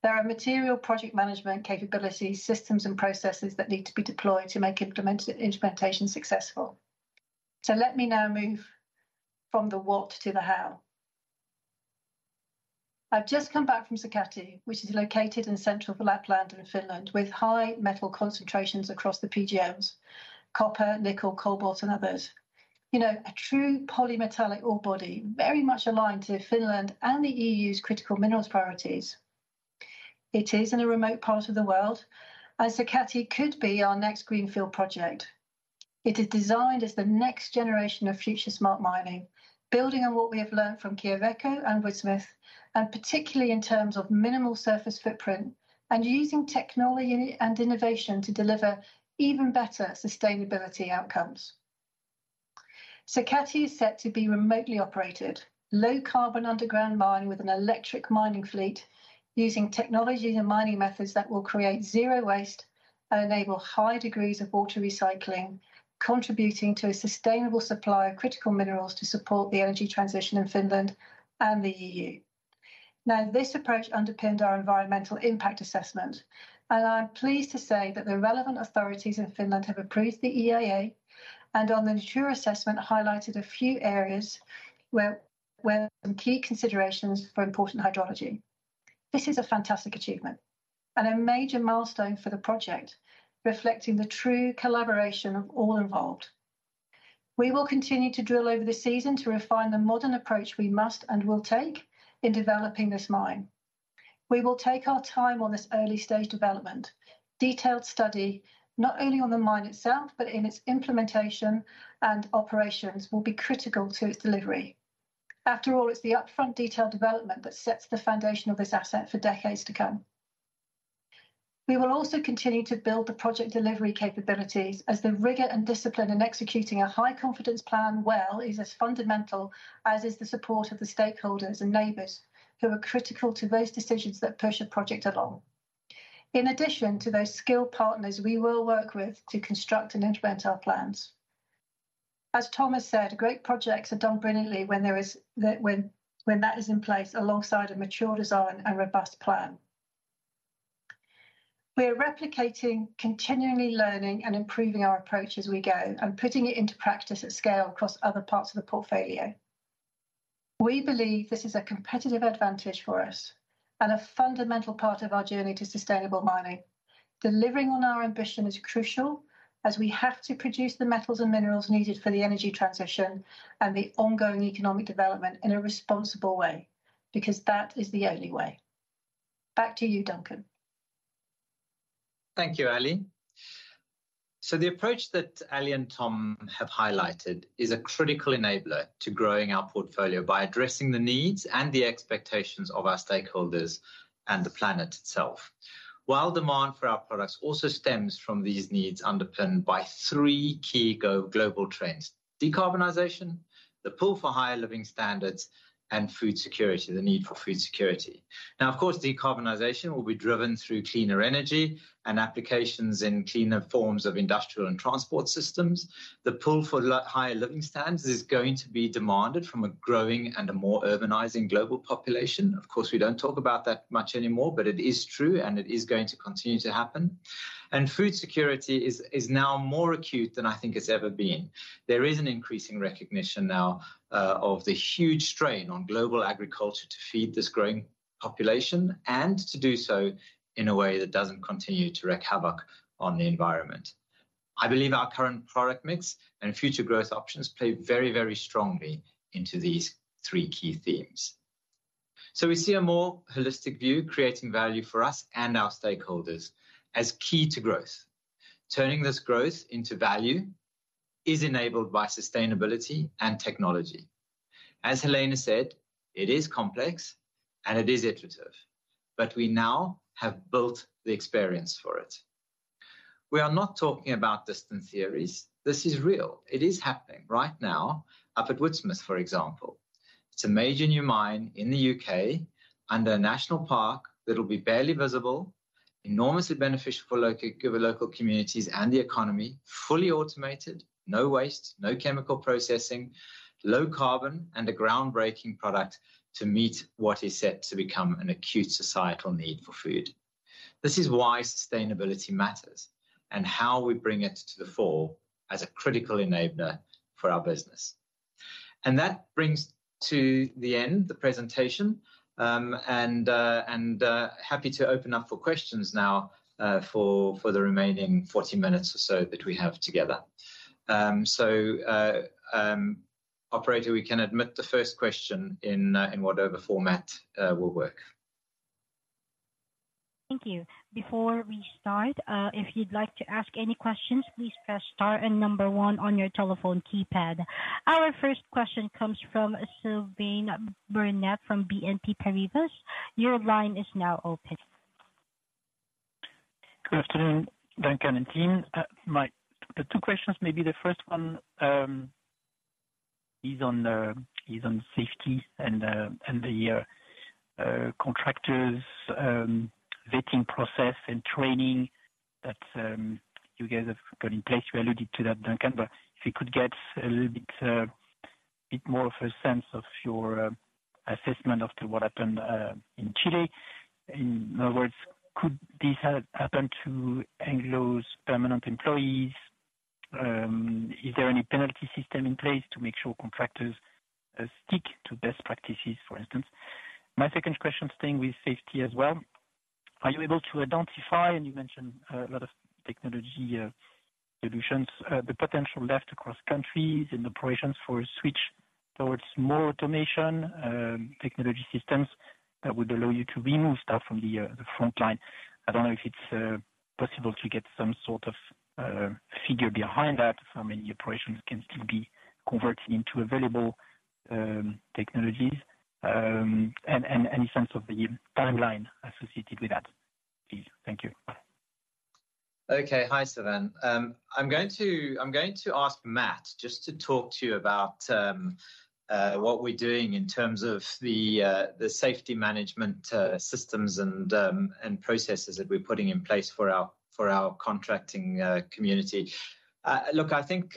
There are material project management capabilities, systems, and processes that need to be deployed to make implementation successful. So let me now move from the what to the how. I've just come back from Sakatti, which is located in central Lapland in Finland, with high metal concentrations across the PGMs, copper, nickel, cobalt, and others. You know, a true polymetallic ore body, very much aligned to Finland and the EU's critical minerals priorities. It is in a remote part of the world, and Sakatti could be our next greenfield project. It is designed as the next generation of future smart mining, building on what we have learned from Kiilizeko and Woodsmith, and particularly in terms of minimal surface footprint and using technology and innovation to deliver even better sustainability outcomes. Sakatti is set to be remotely operated, low carbon underground mine with an electric mining fleet, using technologies and mining methods that will create zero waste and enable high degrees of water recycling, contributing to a sustainable supply of critical minerals to support the energy transition in Finland and the EU. Now, this approach underpinned our environmental impact assessment, and I'm pleased to say that the relevant authorities in Finland have approved the EIA, and on the mature assessment, highlighted a few areas where some key considerations for important hydrology. This is a fantastic achievement and a major milestone for the project, reflecting the true collaboration of all involved. We will continue to drill over the season to refine the modern approach we must and will take in developing this mine. We will take our time on this early-stage development. Detailed study, not only on the mine itself, but in its implementation and operations, will be critical to its delivery.... After all, it's the upfront detailed development that sets the foundation of this asset for decades to come. We will also continue to build the project delivery capabilities, as the rigor and discipline in executing a high-confidence plan well is as fundamental as is the support of the stakeholders and neighbors who are critical to those decisions that push a project along. In addition to those skilled partners we will work with to construct and implement our plans. As Tom has said, great projects are done brilliantly when that is in place, alongside a mature design and robust plan. We are replicating, continually learning, and improving our approach as we go, and putting it into practice at scale across other parts of the portfolio. We believe this is a competitive advantage for us and a fundamental part of our journey to sustainable mining. Delivering on our ambition is crucial, as we have to produce the metals and minerals needed for the energy transition and the ongoing economic development in a responsible way, because that is the only way. Back to you, Duncan. Thank you, Ali. So the approach that Ali and Tom have highlighted is a critical enabler to growing our portfolio by addressing the needs and the expectations of our stakeholders and the planet itself. While demand for our products also stems from these needs, underpinned by three key global trends: decarbonization, the pull for higher living standards, and food security, the need for food security. Now, of course, decarbonization will be driven through cleaner energy and applications in cleaner forms of industrial and transport systems. The pull for higher living standards is going to be demanded from a growing and a more urbanizing global population. Of course, we don't talk about that much anymore, but it is true, and it is going to continue to happen. Food security is, is now more acute than I think it's ever been. There is an increasing recognition now of the huge strain on global agriculture to feed this growing population and to do so in a way that doesn't continue to wreak havoc on the environment. I believe our current product mix and future growth options play very, very strongly into these three key themes. So we see a more holistic view, creating value for us and our stakeholders, as key to growth. Turning this growth into value is enabled by sustainability and technology. As Helena said, it is complex, and it is iterative, but we now have built the experience for it. We are not talking about distant theories. This is real. It is happening right now up at Woodsmith, for example. It's a major new mine in the UK, under a national park, that will be barely visible, enormously beneficial for local, the local communities and the economy, fully automated, no waste, no chemical processing, low carbon, and a groundbreaking product to meet what is set to become an acute societal need for food. This is why sustainability matters and how we bring it to the fore as a critical enabler for our business. And that brings to the end, the presentation. And happy to open up for questions now, for the remaining 40 minutes or so that we have together. So, operator, we can admit the first question in whatever format will work. Thank you. Before we start, if you'd like to ask any questions, please press star and number one on your telephone keypad. Our first question comes from Sylvain Brunet from BNP Paribas. Your line is now open. Good afternoon, Duncan and team. The two questions, maybe the first one, is on safety and the contractors vetting process and training that you guys have got in place. You alluded to that, Duncan, but if you could get a little bit more of a sense of your assessment after what happened in Chile. In other words, could this have happened to Anglo's permanent employees? Is there any penalty system in place to make sure contractors stick to best practices, for instance? My second question, staying with safety as well, are you able to identify, and you mentioned a lot of technology solutions, the potential left across countries and operations for a switch towards more automation technology systems that would allow you to remove staff from the frontline? I don't know if it's possible to get some sort of figure behind that, how many operations can still be converted into available technologies, and any sense of the timeline associated with that, please? Thank you. Okay. Hi, Sylvain. I'm going to ask Matt just to talk to you about what we're doing in terms of the safety management systems and processes that we're putting in place for our contracting community. Look, I think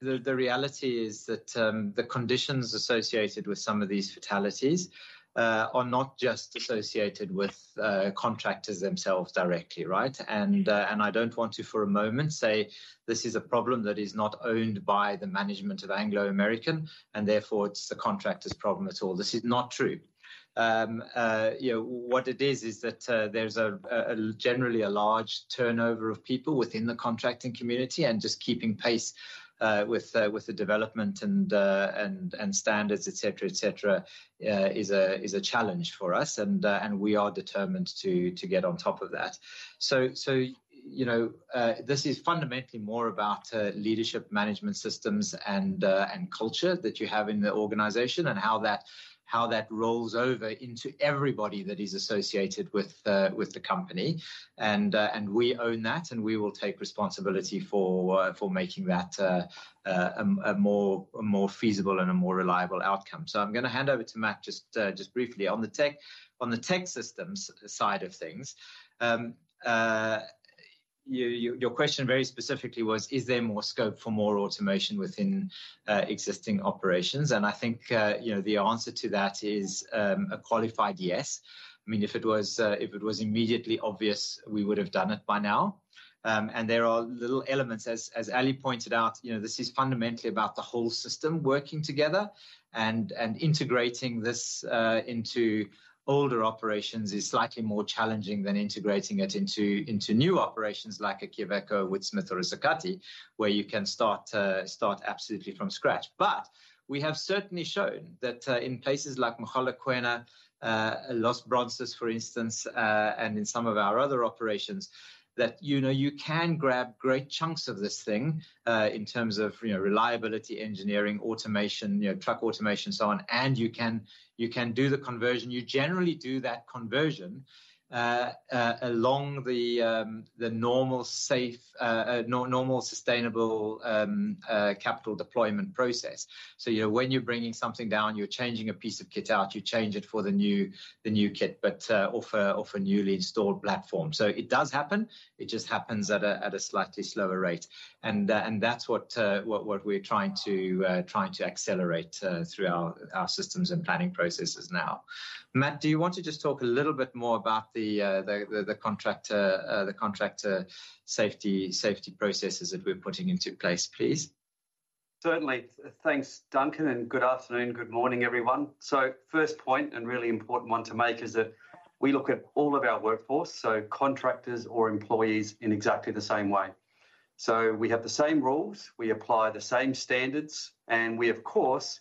the reality is that the conditions associated with some of these fatalities are not just associated with contractors themselves directly, right? And I don't want to, for a moment, say this is a problem that is not owned by the management of Anglo American, and therefore it's the contractor's problem at all. This is not true. You know, what it is, is that there's generally a large turnover of people within the contracting community, and just keeping pace with the development and standards, et cetera, et cetera, is a challenge for us. And we are determined to get on top of that. So you know, this is fundamentally more about leadership management systems and culture that you have in the organization, and how that rolls over into everybody that is associated with the company. And we own that, and we will take responsibility for making that a more feasible and a more reliable outcome. So I'm gonna hand over to Matt just briefly. On the tech, on the tech systems side of things, you, your question very specifically was: Is there more scope for more automation within, existing operations? And I think, you know, the answer to that is, a qualified yes. I mean, if it was, if it was immediately obvious, we would have done it by now. And there are little elements, as, as Ali pointed out, you know, this is fundamentally about the whole system working together, and, and integrating this, into older operations is slightly more challenging than integrating it into, into new operations, like a Quellaveco, Woodsmith or a Sakatti, where you can start, start absolutely from scratch. But we have certainly shown that, in places like Mogalakwena, Los Bronces, for instance, and in some of our other operations, that, you know, you can grab great chunks of this thing, in terms of, you know, reliability, engineering, automation, you know, truck automation, so on, and you can do the conversion. You generally do that conversion along the normal, safe, sustainable capital deployment process. So, you know, when you're bringing something down, you're changing a piece of kit out, you change it for the new, the new kit, but of a newly installed platform. So it does happen. It just happens at a slightly slower rate. And that's what we're trying to accelerate through our systems and planning processes now. Matt, do you want to just talk a little bit more about the contractor safety processes that we're putting into place, please? Certainly. Thanks, Duncan, and good afternoon. Good morning, everyone. First point, and really important one to make, is that we look at all of our workforce, so contractors or employees, in exactly the same way. We have the same rules, we apply the same standards, and we, of course,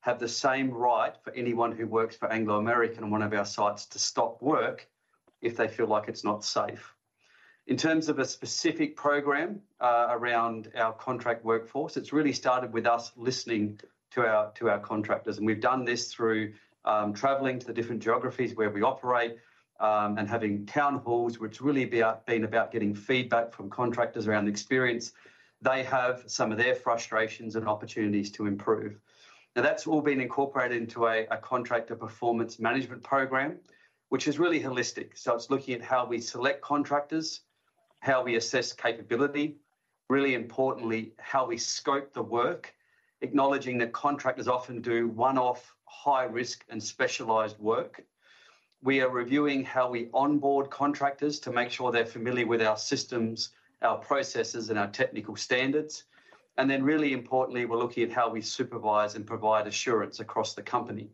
have the same right for anyone who works for Anglo American on one of our sites to stop work if they feel like it's not safe. In terms of a specific program around our contract workforce, it's really started with us listening to our contractors, and we've done this through traveling to the different geographies where we operate and having town halls, which have been about getting feedback from contractors around the experience they have, some of their frustrations and opportunities to improve. Now, that's all been incorporated into a Contractor Performance Management program, which is really holistic. So it's looking at how we select contractors, how we assess capability, really importantly, how we scope the work, acknowledging that contractors often do one-off, high-risk, and specialized work. We are reviewing how we onboard contractors to make sure they're familiar with our systems, our processes, and our technical standards. And then, really importantly, we're looking at how we supervise and provide assurance across the company.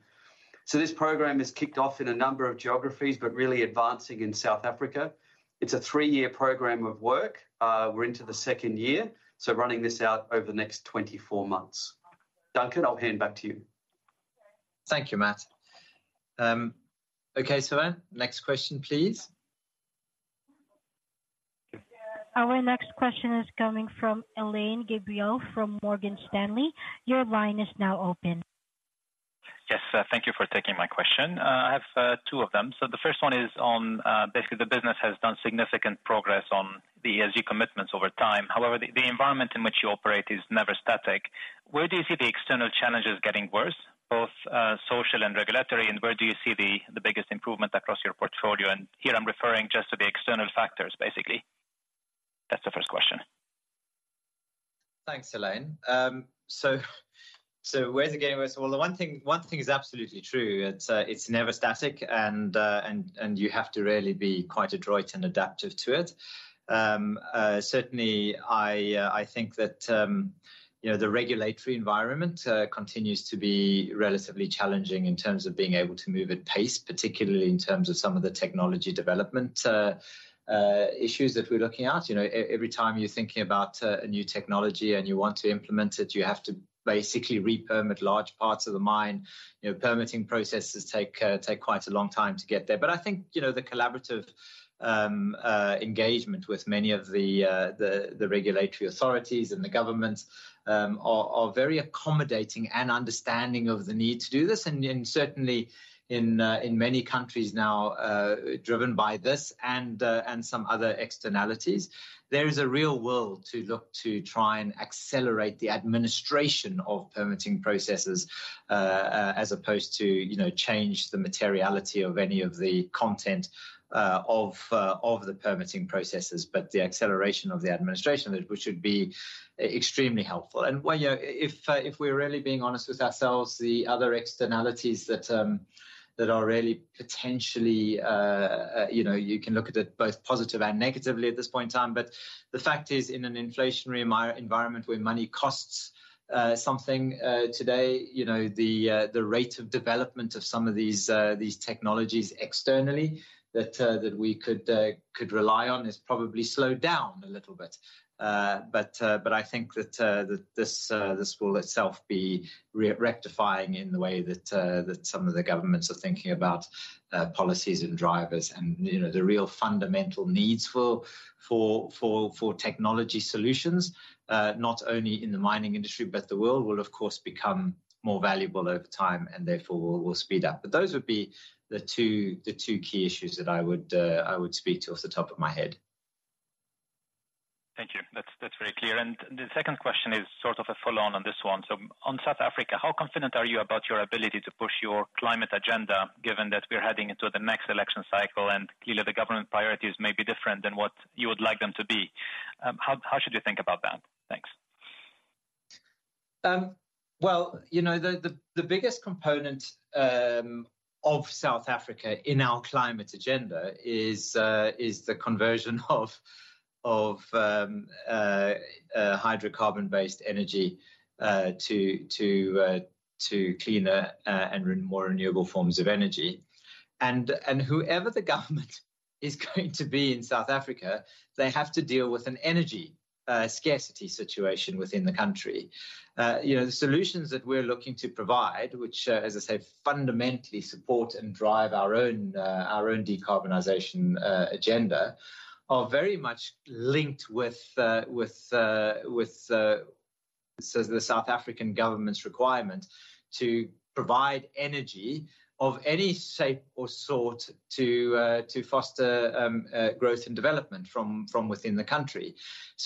So this program has kicked off in a number of geographies, but really advancing in South Africa. It's a three-year program of work. We're into the second year, so running this out over the next 24 months. Duncan, I'll hand back to you. Thank you, Matt. Okay, Savannah, next question, please. Our next question is coming from Alain Gabriel from Morgan Stanley. Your line is now open. Yes, thank you for taking my question. I have two of them. So the first one is on... basically, the business has done significant progress on the ESG commitments over time. However, the environment in which you operate is never static. Where do you see the external challenges getting worse, both social and regulatory? And where do you see the biggest improvement across your portfolio? And here I'm referring just to the external factors, basically. That's the first question. Thanks, Alain. So, where is it getting worse? Well, the one thing is absolutely true, it's, it's never static, and, and, and you have to really be quite adroit and adaptive to it. Certainly, I, I think that, you know, the regulatory environment continues to be relatively challenging in terms of being able to move at pace, particularly in terms of some of the technology development issues that we're looking at. You know, every time you're thinking about a new technology and you want to implement it, you have to basically re-permit large parts of the mine. You know, permitting processes take, take quite a long time to get there. But I think, you know, the collaborative engagement with many of the regulatory authorities and the governments are very accommodating and understanding of the need to do this. And then, certainly in many countries now, driven by this and some other externalities, there is a real will to look to try and accelerate the administration of permitting processes, as opposed to, you know, change the materiality of any of the content of the permitting processes, but the acceleration of the administration, which would be extremely helpful. And, well, you know, if we're really being honest with ourselves, the other externalities that are really potentially, you know, you can look at it both positive and negatively at this point in time. But the fact is, in an inflationary environment where money costs something today, you know, the rate of development of some of these technologies externally that we could rely on has probably slowed down a little bit. But I think that this will itself be rectifying in the way that some of the governments are thinking about policies and drivers. And, you know, the real fundamental needs for technology solutions, not only in the mining industry, but the world, will of course, become more valuable over time, and therefore will speed up. But those would be the two key issues that I would speak to off the top of my head. Thank you. That's, that's very clear. The second question is sort of a follow-on on this one. So on South Africa, how confident are you about your ability to push your climate agenda, given that we're heading into the next election cycle, and clearly, the government priorities may be different than what you would like them to be? How, how should you think about that? Thanks. Well, you know, the biggest component of South Africa in our climate agenda is the conversion of hydrocarbon-based energy to cleaner and more renewable forms of energy. And whoever the government is going to be in South Africa, they have to deal with an energy scarcity situation within the country. You know, the solutions that we're looking to provide, which, as I said, fundamentally support and drive our own decarbonization agenda, are very much linked with the South African government's requirement to provide energy of any shape or sort to foster growth and development from within the country.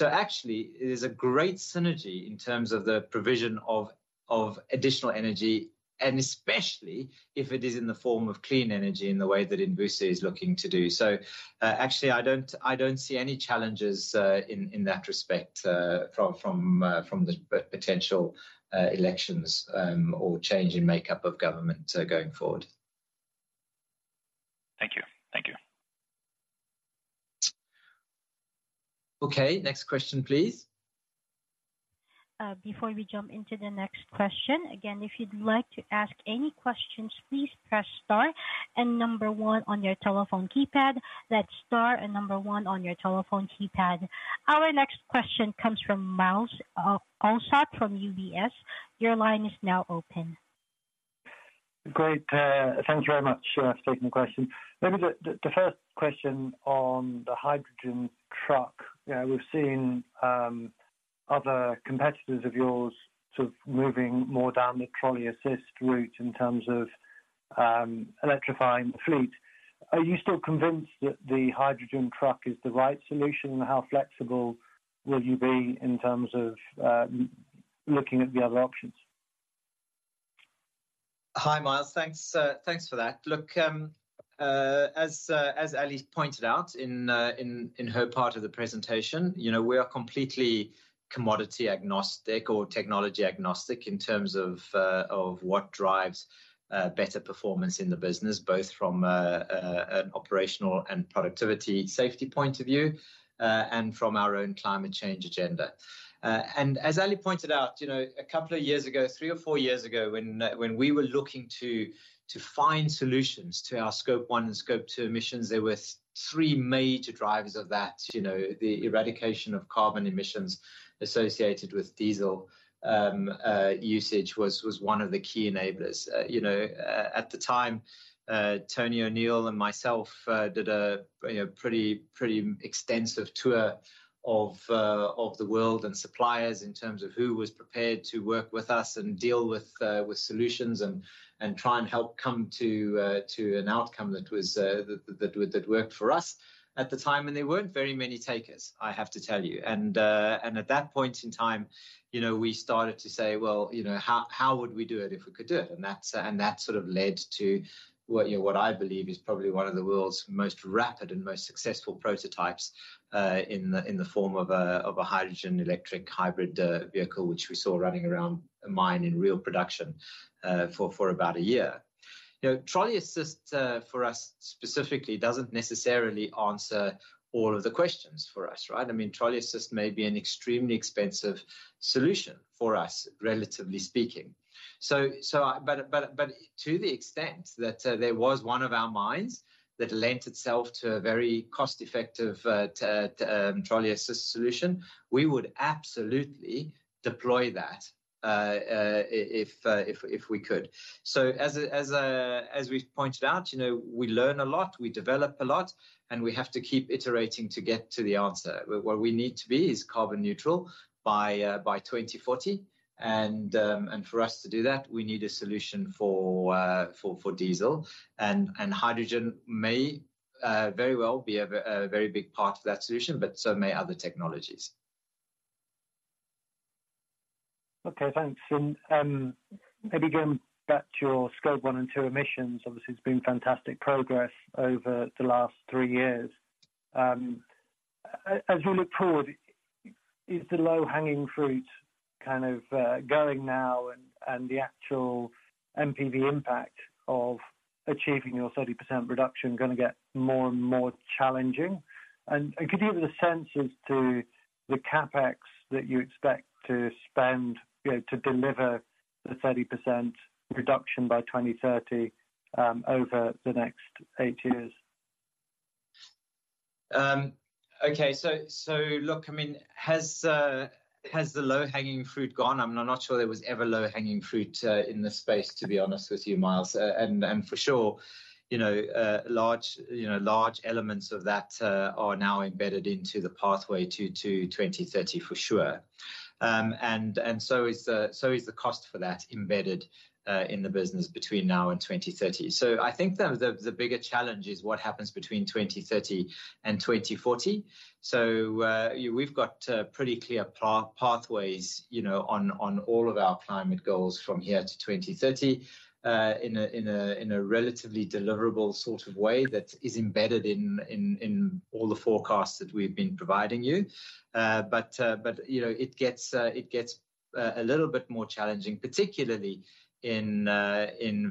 Actually, it is a great synergy in terms of the provision of additional energy, and especially if it is in the form of clean energy in the way that Envusa is looking to do. Actually, I don't see any challenges in that respect from the potential elections or change in makeup of government going forward. Thank you. Thank you. Okay, next question, please. Before we jump into the next question, again, if you'd like to ask any questions, please press star and number one on your telephone keypad. That's star and number one on your telephone keypad. Our next question comes from Myles Allsop from UBS. Your line is now open. Great. Thank you very much for taking the question. Maybe the first question on the hydrogen truck. You know, we've seen other competitors of yours sort of moving more down the trolley assist route in terms of electrifying the fleet. Are you still convinced that the hydrogen truck is the right solution? And how flexible will you be in terms of looking at the other options? Hi, Myles. Thanks, thanks for that. Look, as Ally pointed out in her part of the presentation, you know, we are completely commodity agnostic or technology agnostic in terms of what drives better performance in the business, both from an operational and productivity safety point of view, and from our own climate change agenda. And as Ally pointed out, you know, a couple of years ago, three or four years ago, when we were looking to find solutions to our Scope 1 and Scope 2 emissions, there were three major drivers of that. You know, the eradication of carbon emissions associated with diesel usage was one of the key enablers. You know, at the time, Tony O'Neill and myself did a, you know, pretty extensive tour of the world and suppliers in terms of who was prepared to work with us and deal with solutions and try and help come to an outcome that worked for us at the time, and there weren't very many takers, I have to tell you. And at that point in time, you know, we started to say: Well, you know, how would we do it if we could do it? And that's, and that sort of led to what, you know, what I believe is probably one of the world's most rapid and most successful prototypes, in the form of a hydrogen electric hybrid vehicle, which we saw running around a mine in real production, for about a year. You know, trolley assist for us specifically doesn't necessarily answer all of the questions for us, right? I mean, trolley assist may be an extremely expensive solution for us, relatively speaking. But to the extent that there was one of our mines that lent itself to a very cost-effective trolley assist solution, we would absolutely deploy that, if we could. So as we've pointed out, you know, we learn a lot, we develop a lot, and we have to keep iterating to get to the answer. Where we need to be is carbon neutral by 2040. And for us to do that, we need a solution for diesel. And hydrogen may very well be a very big part of that solution, but so may other technologies. Okay, thanks. And maybe going back to your Scope 1 and 2 emissions, obviously, there's been fantastic progress over the last 3 years. As you look forward, is the low-hanging fruit kind of going now and the actual NPV impact of achieving your 30% reduction gonna get more and more challenging? And could you give us a sense as to the CapEx that you expect to spend, you know, to deliver the 30% reduction by 2030 over the next 8 years?... Okay, so look, I mean, has the low-hanging fruit gone? I'm not sure there was ever low-hanging fruit in this space, to be honest with you, Myles. And for sure, you know, large elements of that are now embedded into the pathway to 2030, for sure. And so is the cost for that embedded in the business between now and 2030. So I think the bigger challenge is what happens between 2030 and 2040. So we've got pretty clear pathways, you know, on all of our climate goals from here to 2030 in a relatively deliverable sort of way that is embedded in all the forecasts that we've been providing you. But you know, it gets a little bit more challenging, particularly in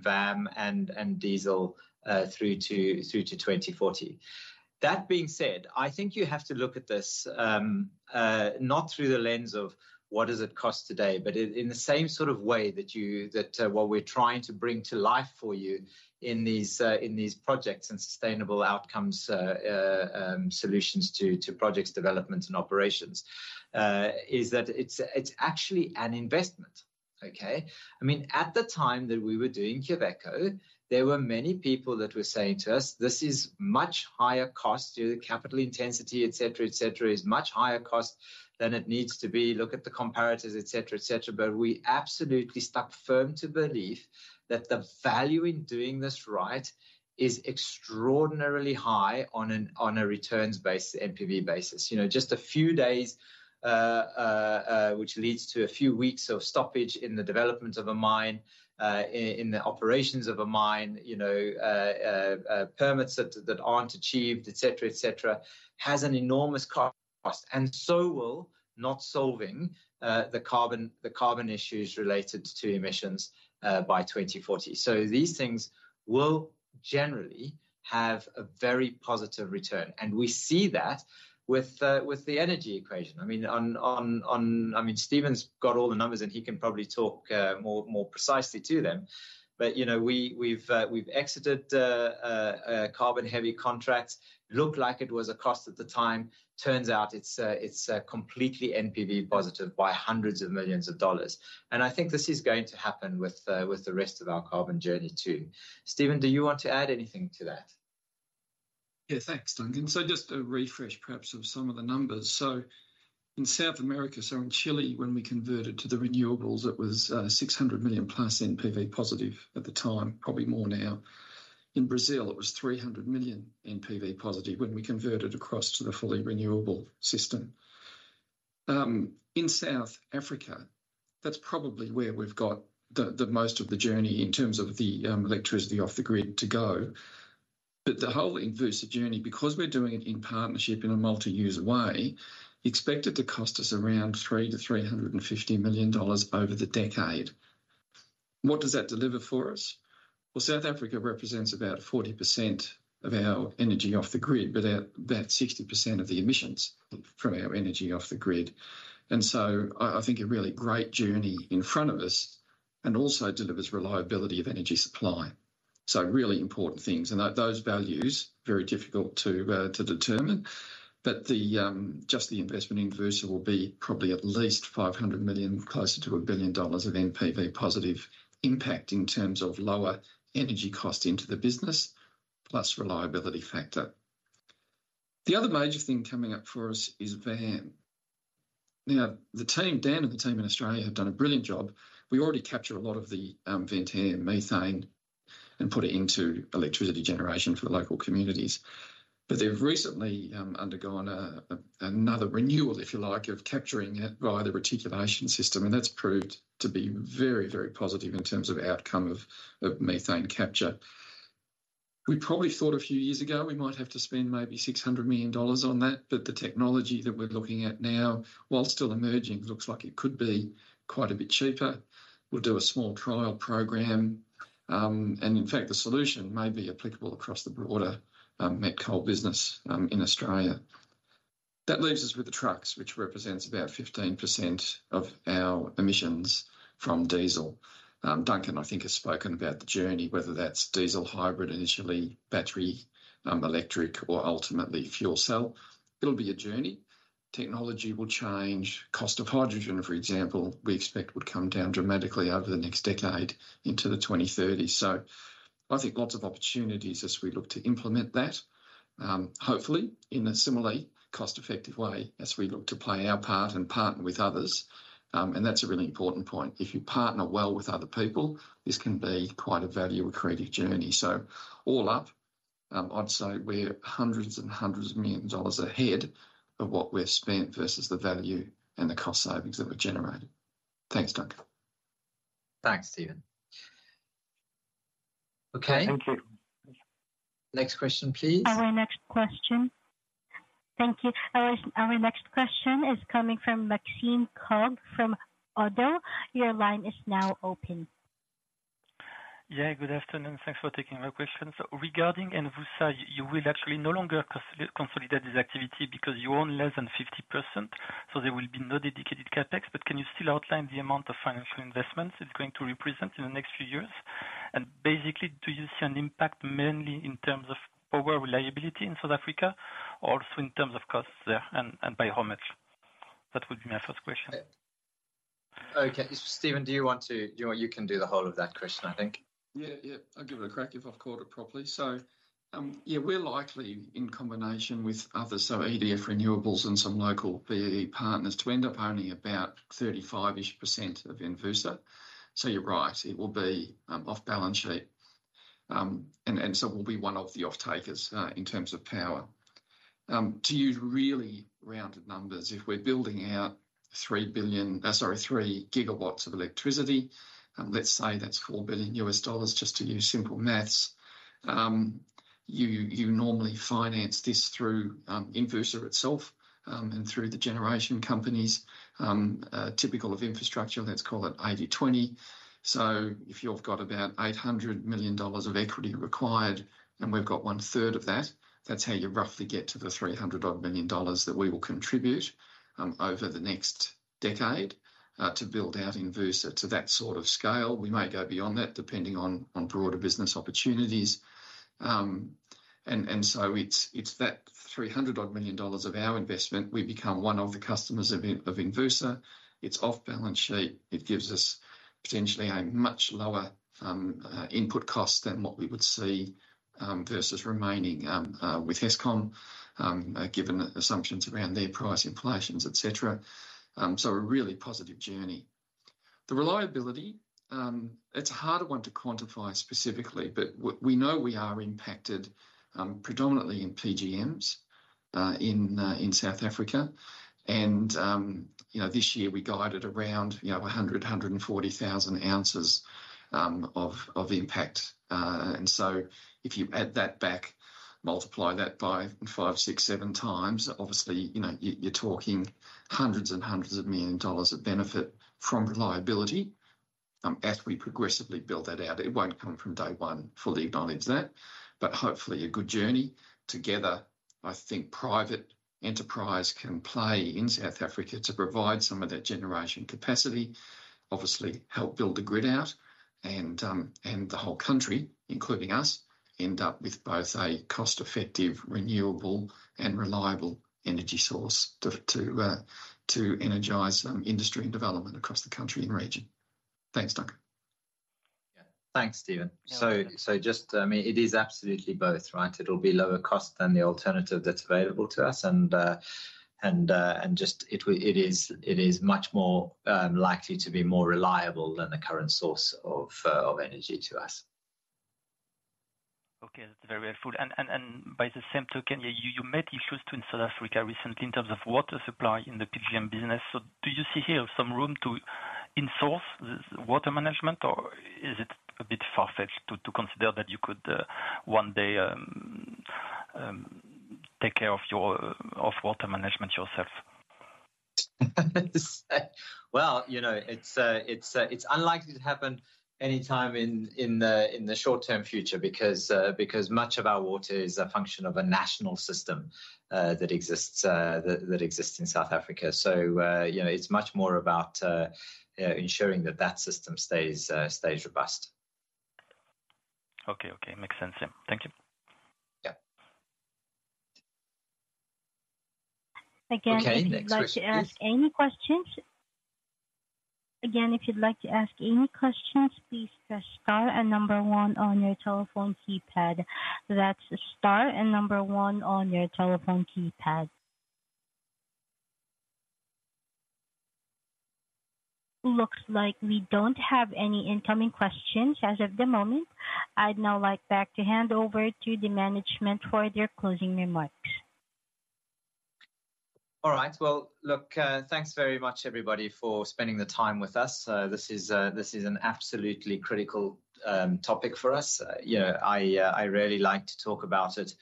VAM and diesel, through to 2040. That being said, I think you have to look at this, not through the lens of what does it cost today, but in the same sort of way that you, that what we're trying to bring to life for you in these, in these projects and sustainable outcomes, solutions to projects, development, and operations, is that it's actually an investment, okay? I mean, at the time that we were doing Quellaveco, there were many people that were saying to us, "This is much higher cost to the capital intensity, et cetera, et cetera, is much higher cost than it needs to be. Look at the comparatives, et cetera, et cetera." But we absolutely stuck firm to belief that the value in doing this right is extraordinarily high on a returns basis, NPV basis. You know, just a few days, which leads to a few weeks of stoppage in the development of a mine, in the operations of a mine, you know, permits that aren't achieved, et cetera, et cetera, has an enormous cost. And so will not solving the carbon issues related to emissions by 2040. So these things will generally have a very positive return, and we see that with the energy equation. I mean, on-- I mean, Stephen's got all the numbers, and he can probably talk more precisely to them. But, you know, we've exited a carbon-heavy contract. Looked like it was a cost at the time, turns out it's completely NPV positive by $hundreds of millions. And I think this is going to happen with the rest of our carbon journey, too. Stephen, do you want to add anything to that? Yeah, thanks, Duncan. So just a refresh, perhaps, of some of the numbers. So in South America, so in Chile, when we converted to the renewables, it was $600 million+ NPV positive at the time, probably more now. In Brazil, it was $300 million NPV positive when we converted across to the fully renewable system. In South Africa, that's probably where we've got the most of the journey in terms of the electricity off the grid to go. But the whole Envusa journey, because we're doing it in partnership in a multi-user way, expected to cost us around $300-$350 million over the decade. What does that deliver for us? Well, South Africa represents about 40% of our energy off the grid, but at about 60% of the emissions from our energy off the grid. And so I think a really great journey in front of us, and also delivers reliability of energy supply. Really important things. Those values very difficult to determine, but just the investment in Invorsa will be probably at least $500 million, closer to a $1 billion of NPV positive impact in terms of lower energy cost into the business, plus reliability factor. The other major thing coming up for us is VAM. Now, the team, Dan and the team in Australia have done a brilliant job. We already capture a lot of the vent air methane and put it into electricity generation for the local communities. But they've recently undergone another renewal, if you like, of capturing it via the reticulation system, and that's proved to be very, very positive in terms of outcome of methane capture. We probably thought a few years ago we might have to spend maybe $600 million on that, but the technology that we're looking at now, while still emerging, looks like it could be quite a bit cheaper. We'll do a small trial program. And in fact, the solution may be applicable across the broader met coal business in Australia. That leaves us with the trucks, which represents about 15% of our emissions from diesel. Duncan, I think, has spoken about the journey, whether that's diesel hybrid, initially battery electric, or ultimately fuel cell. It'll be a journey. Technology will change. Cost of hydrogen, for example, we expect would come down dramatically over the next decade into the 2030s. So I think lots of opportunities as we look to implement that, hopefully in a similarly cost-effective way as we look to play our part and partner with others. And that's a really important point. If you partner well with other people, this can be quite a value-accretive journey. So all up, I'd say we're $hundreds and hundreds of millions ahead of what we've spent versus the value and the cost savings that were generated. Thanks, Duncan. Thanks, Stephen. Okay. Thank you. Next question, please. Our next question. Thank you. Our next question is coming from Maxime Coghe from Oddo. Your line is now open. Yeah, good afternoon. Thanks for taking my questions. Regarding Invorsa, you will actually no longer consolidate this activity because you own less than 50%, so there will be no dedicated CapEx. But can you still outline the amount of financial investments it's going to represent in the next few years?... and basically, do you see an impact mainly in terms of power reliability in South Africa, or also in terms of costs there, and, and by how much? That would be my first question. Okay. Stephen, do you want to... You can do the whole of that question, I think. Yeah, yeah, I'll give it a crack if I've caught it properly. So, yeah, we're likely, in combination with others, so EDF Renewables and some local BEE partners, to end up owning about 35-ish% of Envusa. So you're right, it will be off balance sheet. And so we'll be one of the off-takers in terms of power. To use really rounded numbers, if we're building out 3 GW of electricity, let's say that's $4 billion, just to use simple math. You normally finance this through Envusa itself and through the generation companies. Typical of infrastructure, let's call it 80/20. So if you've got about $800 million of equity required, and we've got one-third of that, that's how you roughly get to the $300-odd million that we will contribute over the next decade to build out Envusa to that sort of scale. We may go beyond that, depending on broader business opportunities. And so it's that $300-odd million of our investment, we become one of the customers of Envusa. It's off balance sheet. It gives us potentially a much lower input cost than what we would see versus remaining with Eskom, given the assumptions around their price inflations, et cetera. So a really positive journey. The reliability, it's a harder one to quantify specifically, but we know we are impacted, predominantly in PGMs, in South Africa. You know, this year we guided around 140,000 ounces of impact. So if you add that back, multiply that by 5, 6, 7 times, obviously, you know, you're talking hundreds and hundreds of million dollars of benefit from reliability, as we progressively build that out. It won't come from day one, fully acknowledge that, but hopefully a good journey together. I think private enterprise can play in South Africa to provide some of that generation capacity, obviously help build the grid out and the whole country, including us, end up with both a cost-effective, renewable, and reliable energy source to energize industry and development across the country and region. Thanks, Duncan. Yeah. Thanks, Stephen. So, just, I mean, it is absolutely both, right? It'll be lower cost than the alternative that's available to us, and just it is, it is much more likely to be more reliable than the current source of energy to us. Okay, that's very helpful. And by the same token, yeah, you met issues too in South Africa recently in terms of water supply in the PGM business. So do you see here some room to in-source the water management, or is it a bit far-fetched to consider that you could one day take care of your own water management yourself? Well, you know, it's unlikely to happen anytime in the short-term future because much of our water is a function of a national system that exists in South Africa. So, you know, it's much more about ensuring that that system stays robust. Okay. Okay, makes sense. Yeah. Thank you. Yeah. Again, if you'd like to ask any questions- Okay, next question, please. Again, if you'd like to ask any questions, please press star and number one on your telephone keypad. That's star and number one on your telephone keypad. Looks like we don't have any incoming questions as of the moment. I'd now like back to hand over to the management for their closing remarks. All right. Well, look, thanks very much, everybody, for spending the time with us. This is an absolutely critical topic for us. You know, I really like to talk about it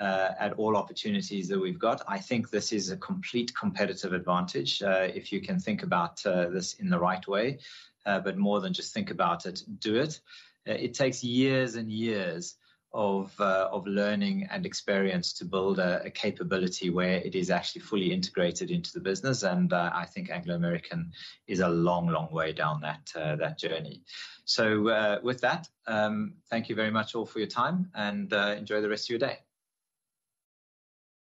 at all opportunities that we've got. I think this is a complete competitive advantage if you can think about this in the right way, but more than just think about it, do it. It takes years and years of learning and experience to build a capability where it is actually fully integrated into the business, and I think Anglo American is a long, long way down that journey. So, with that, thank you very much all for your time, and enjoy the rest of your day.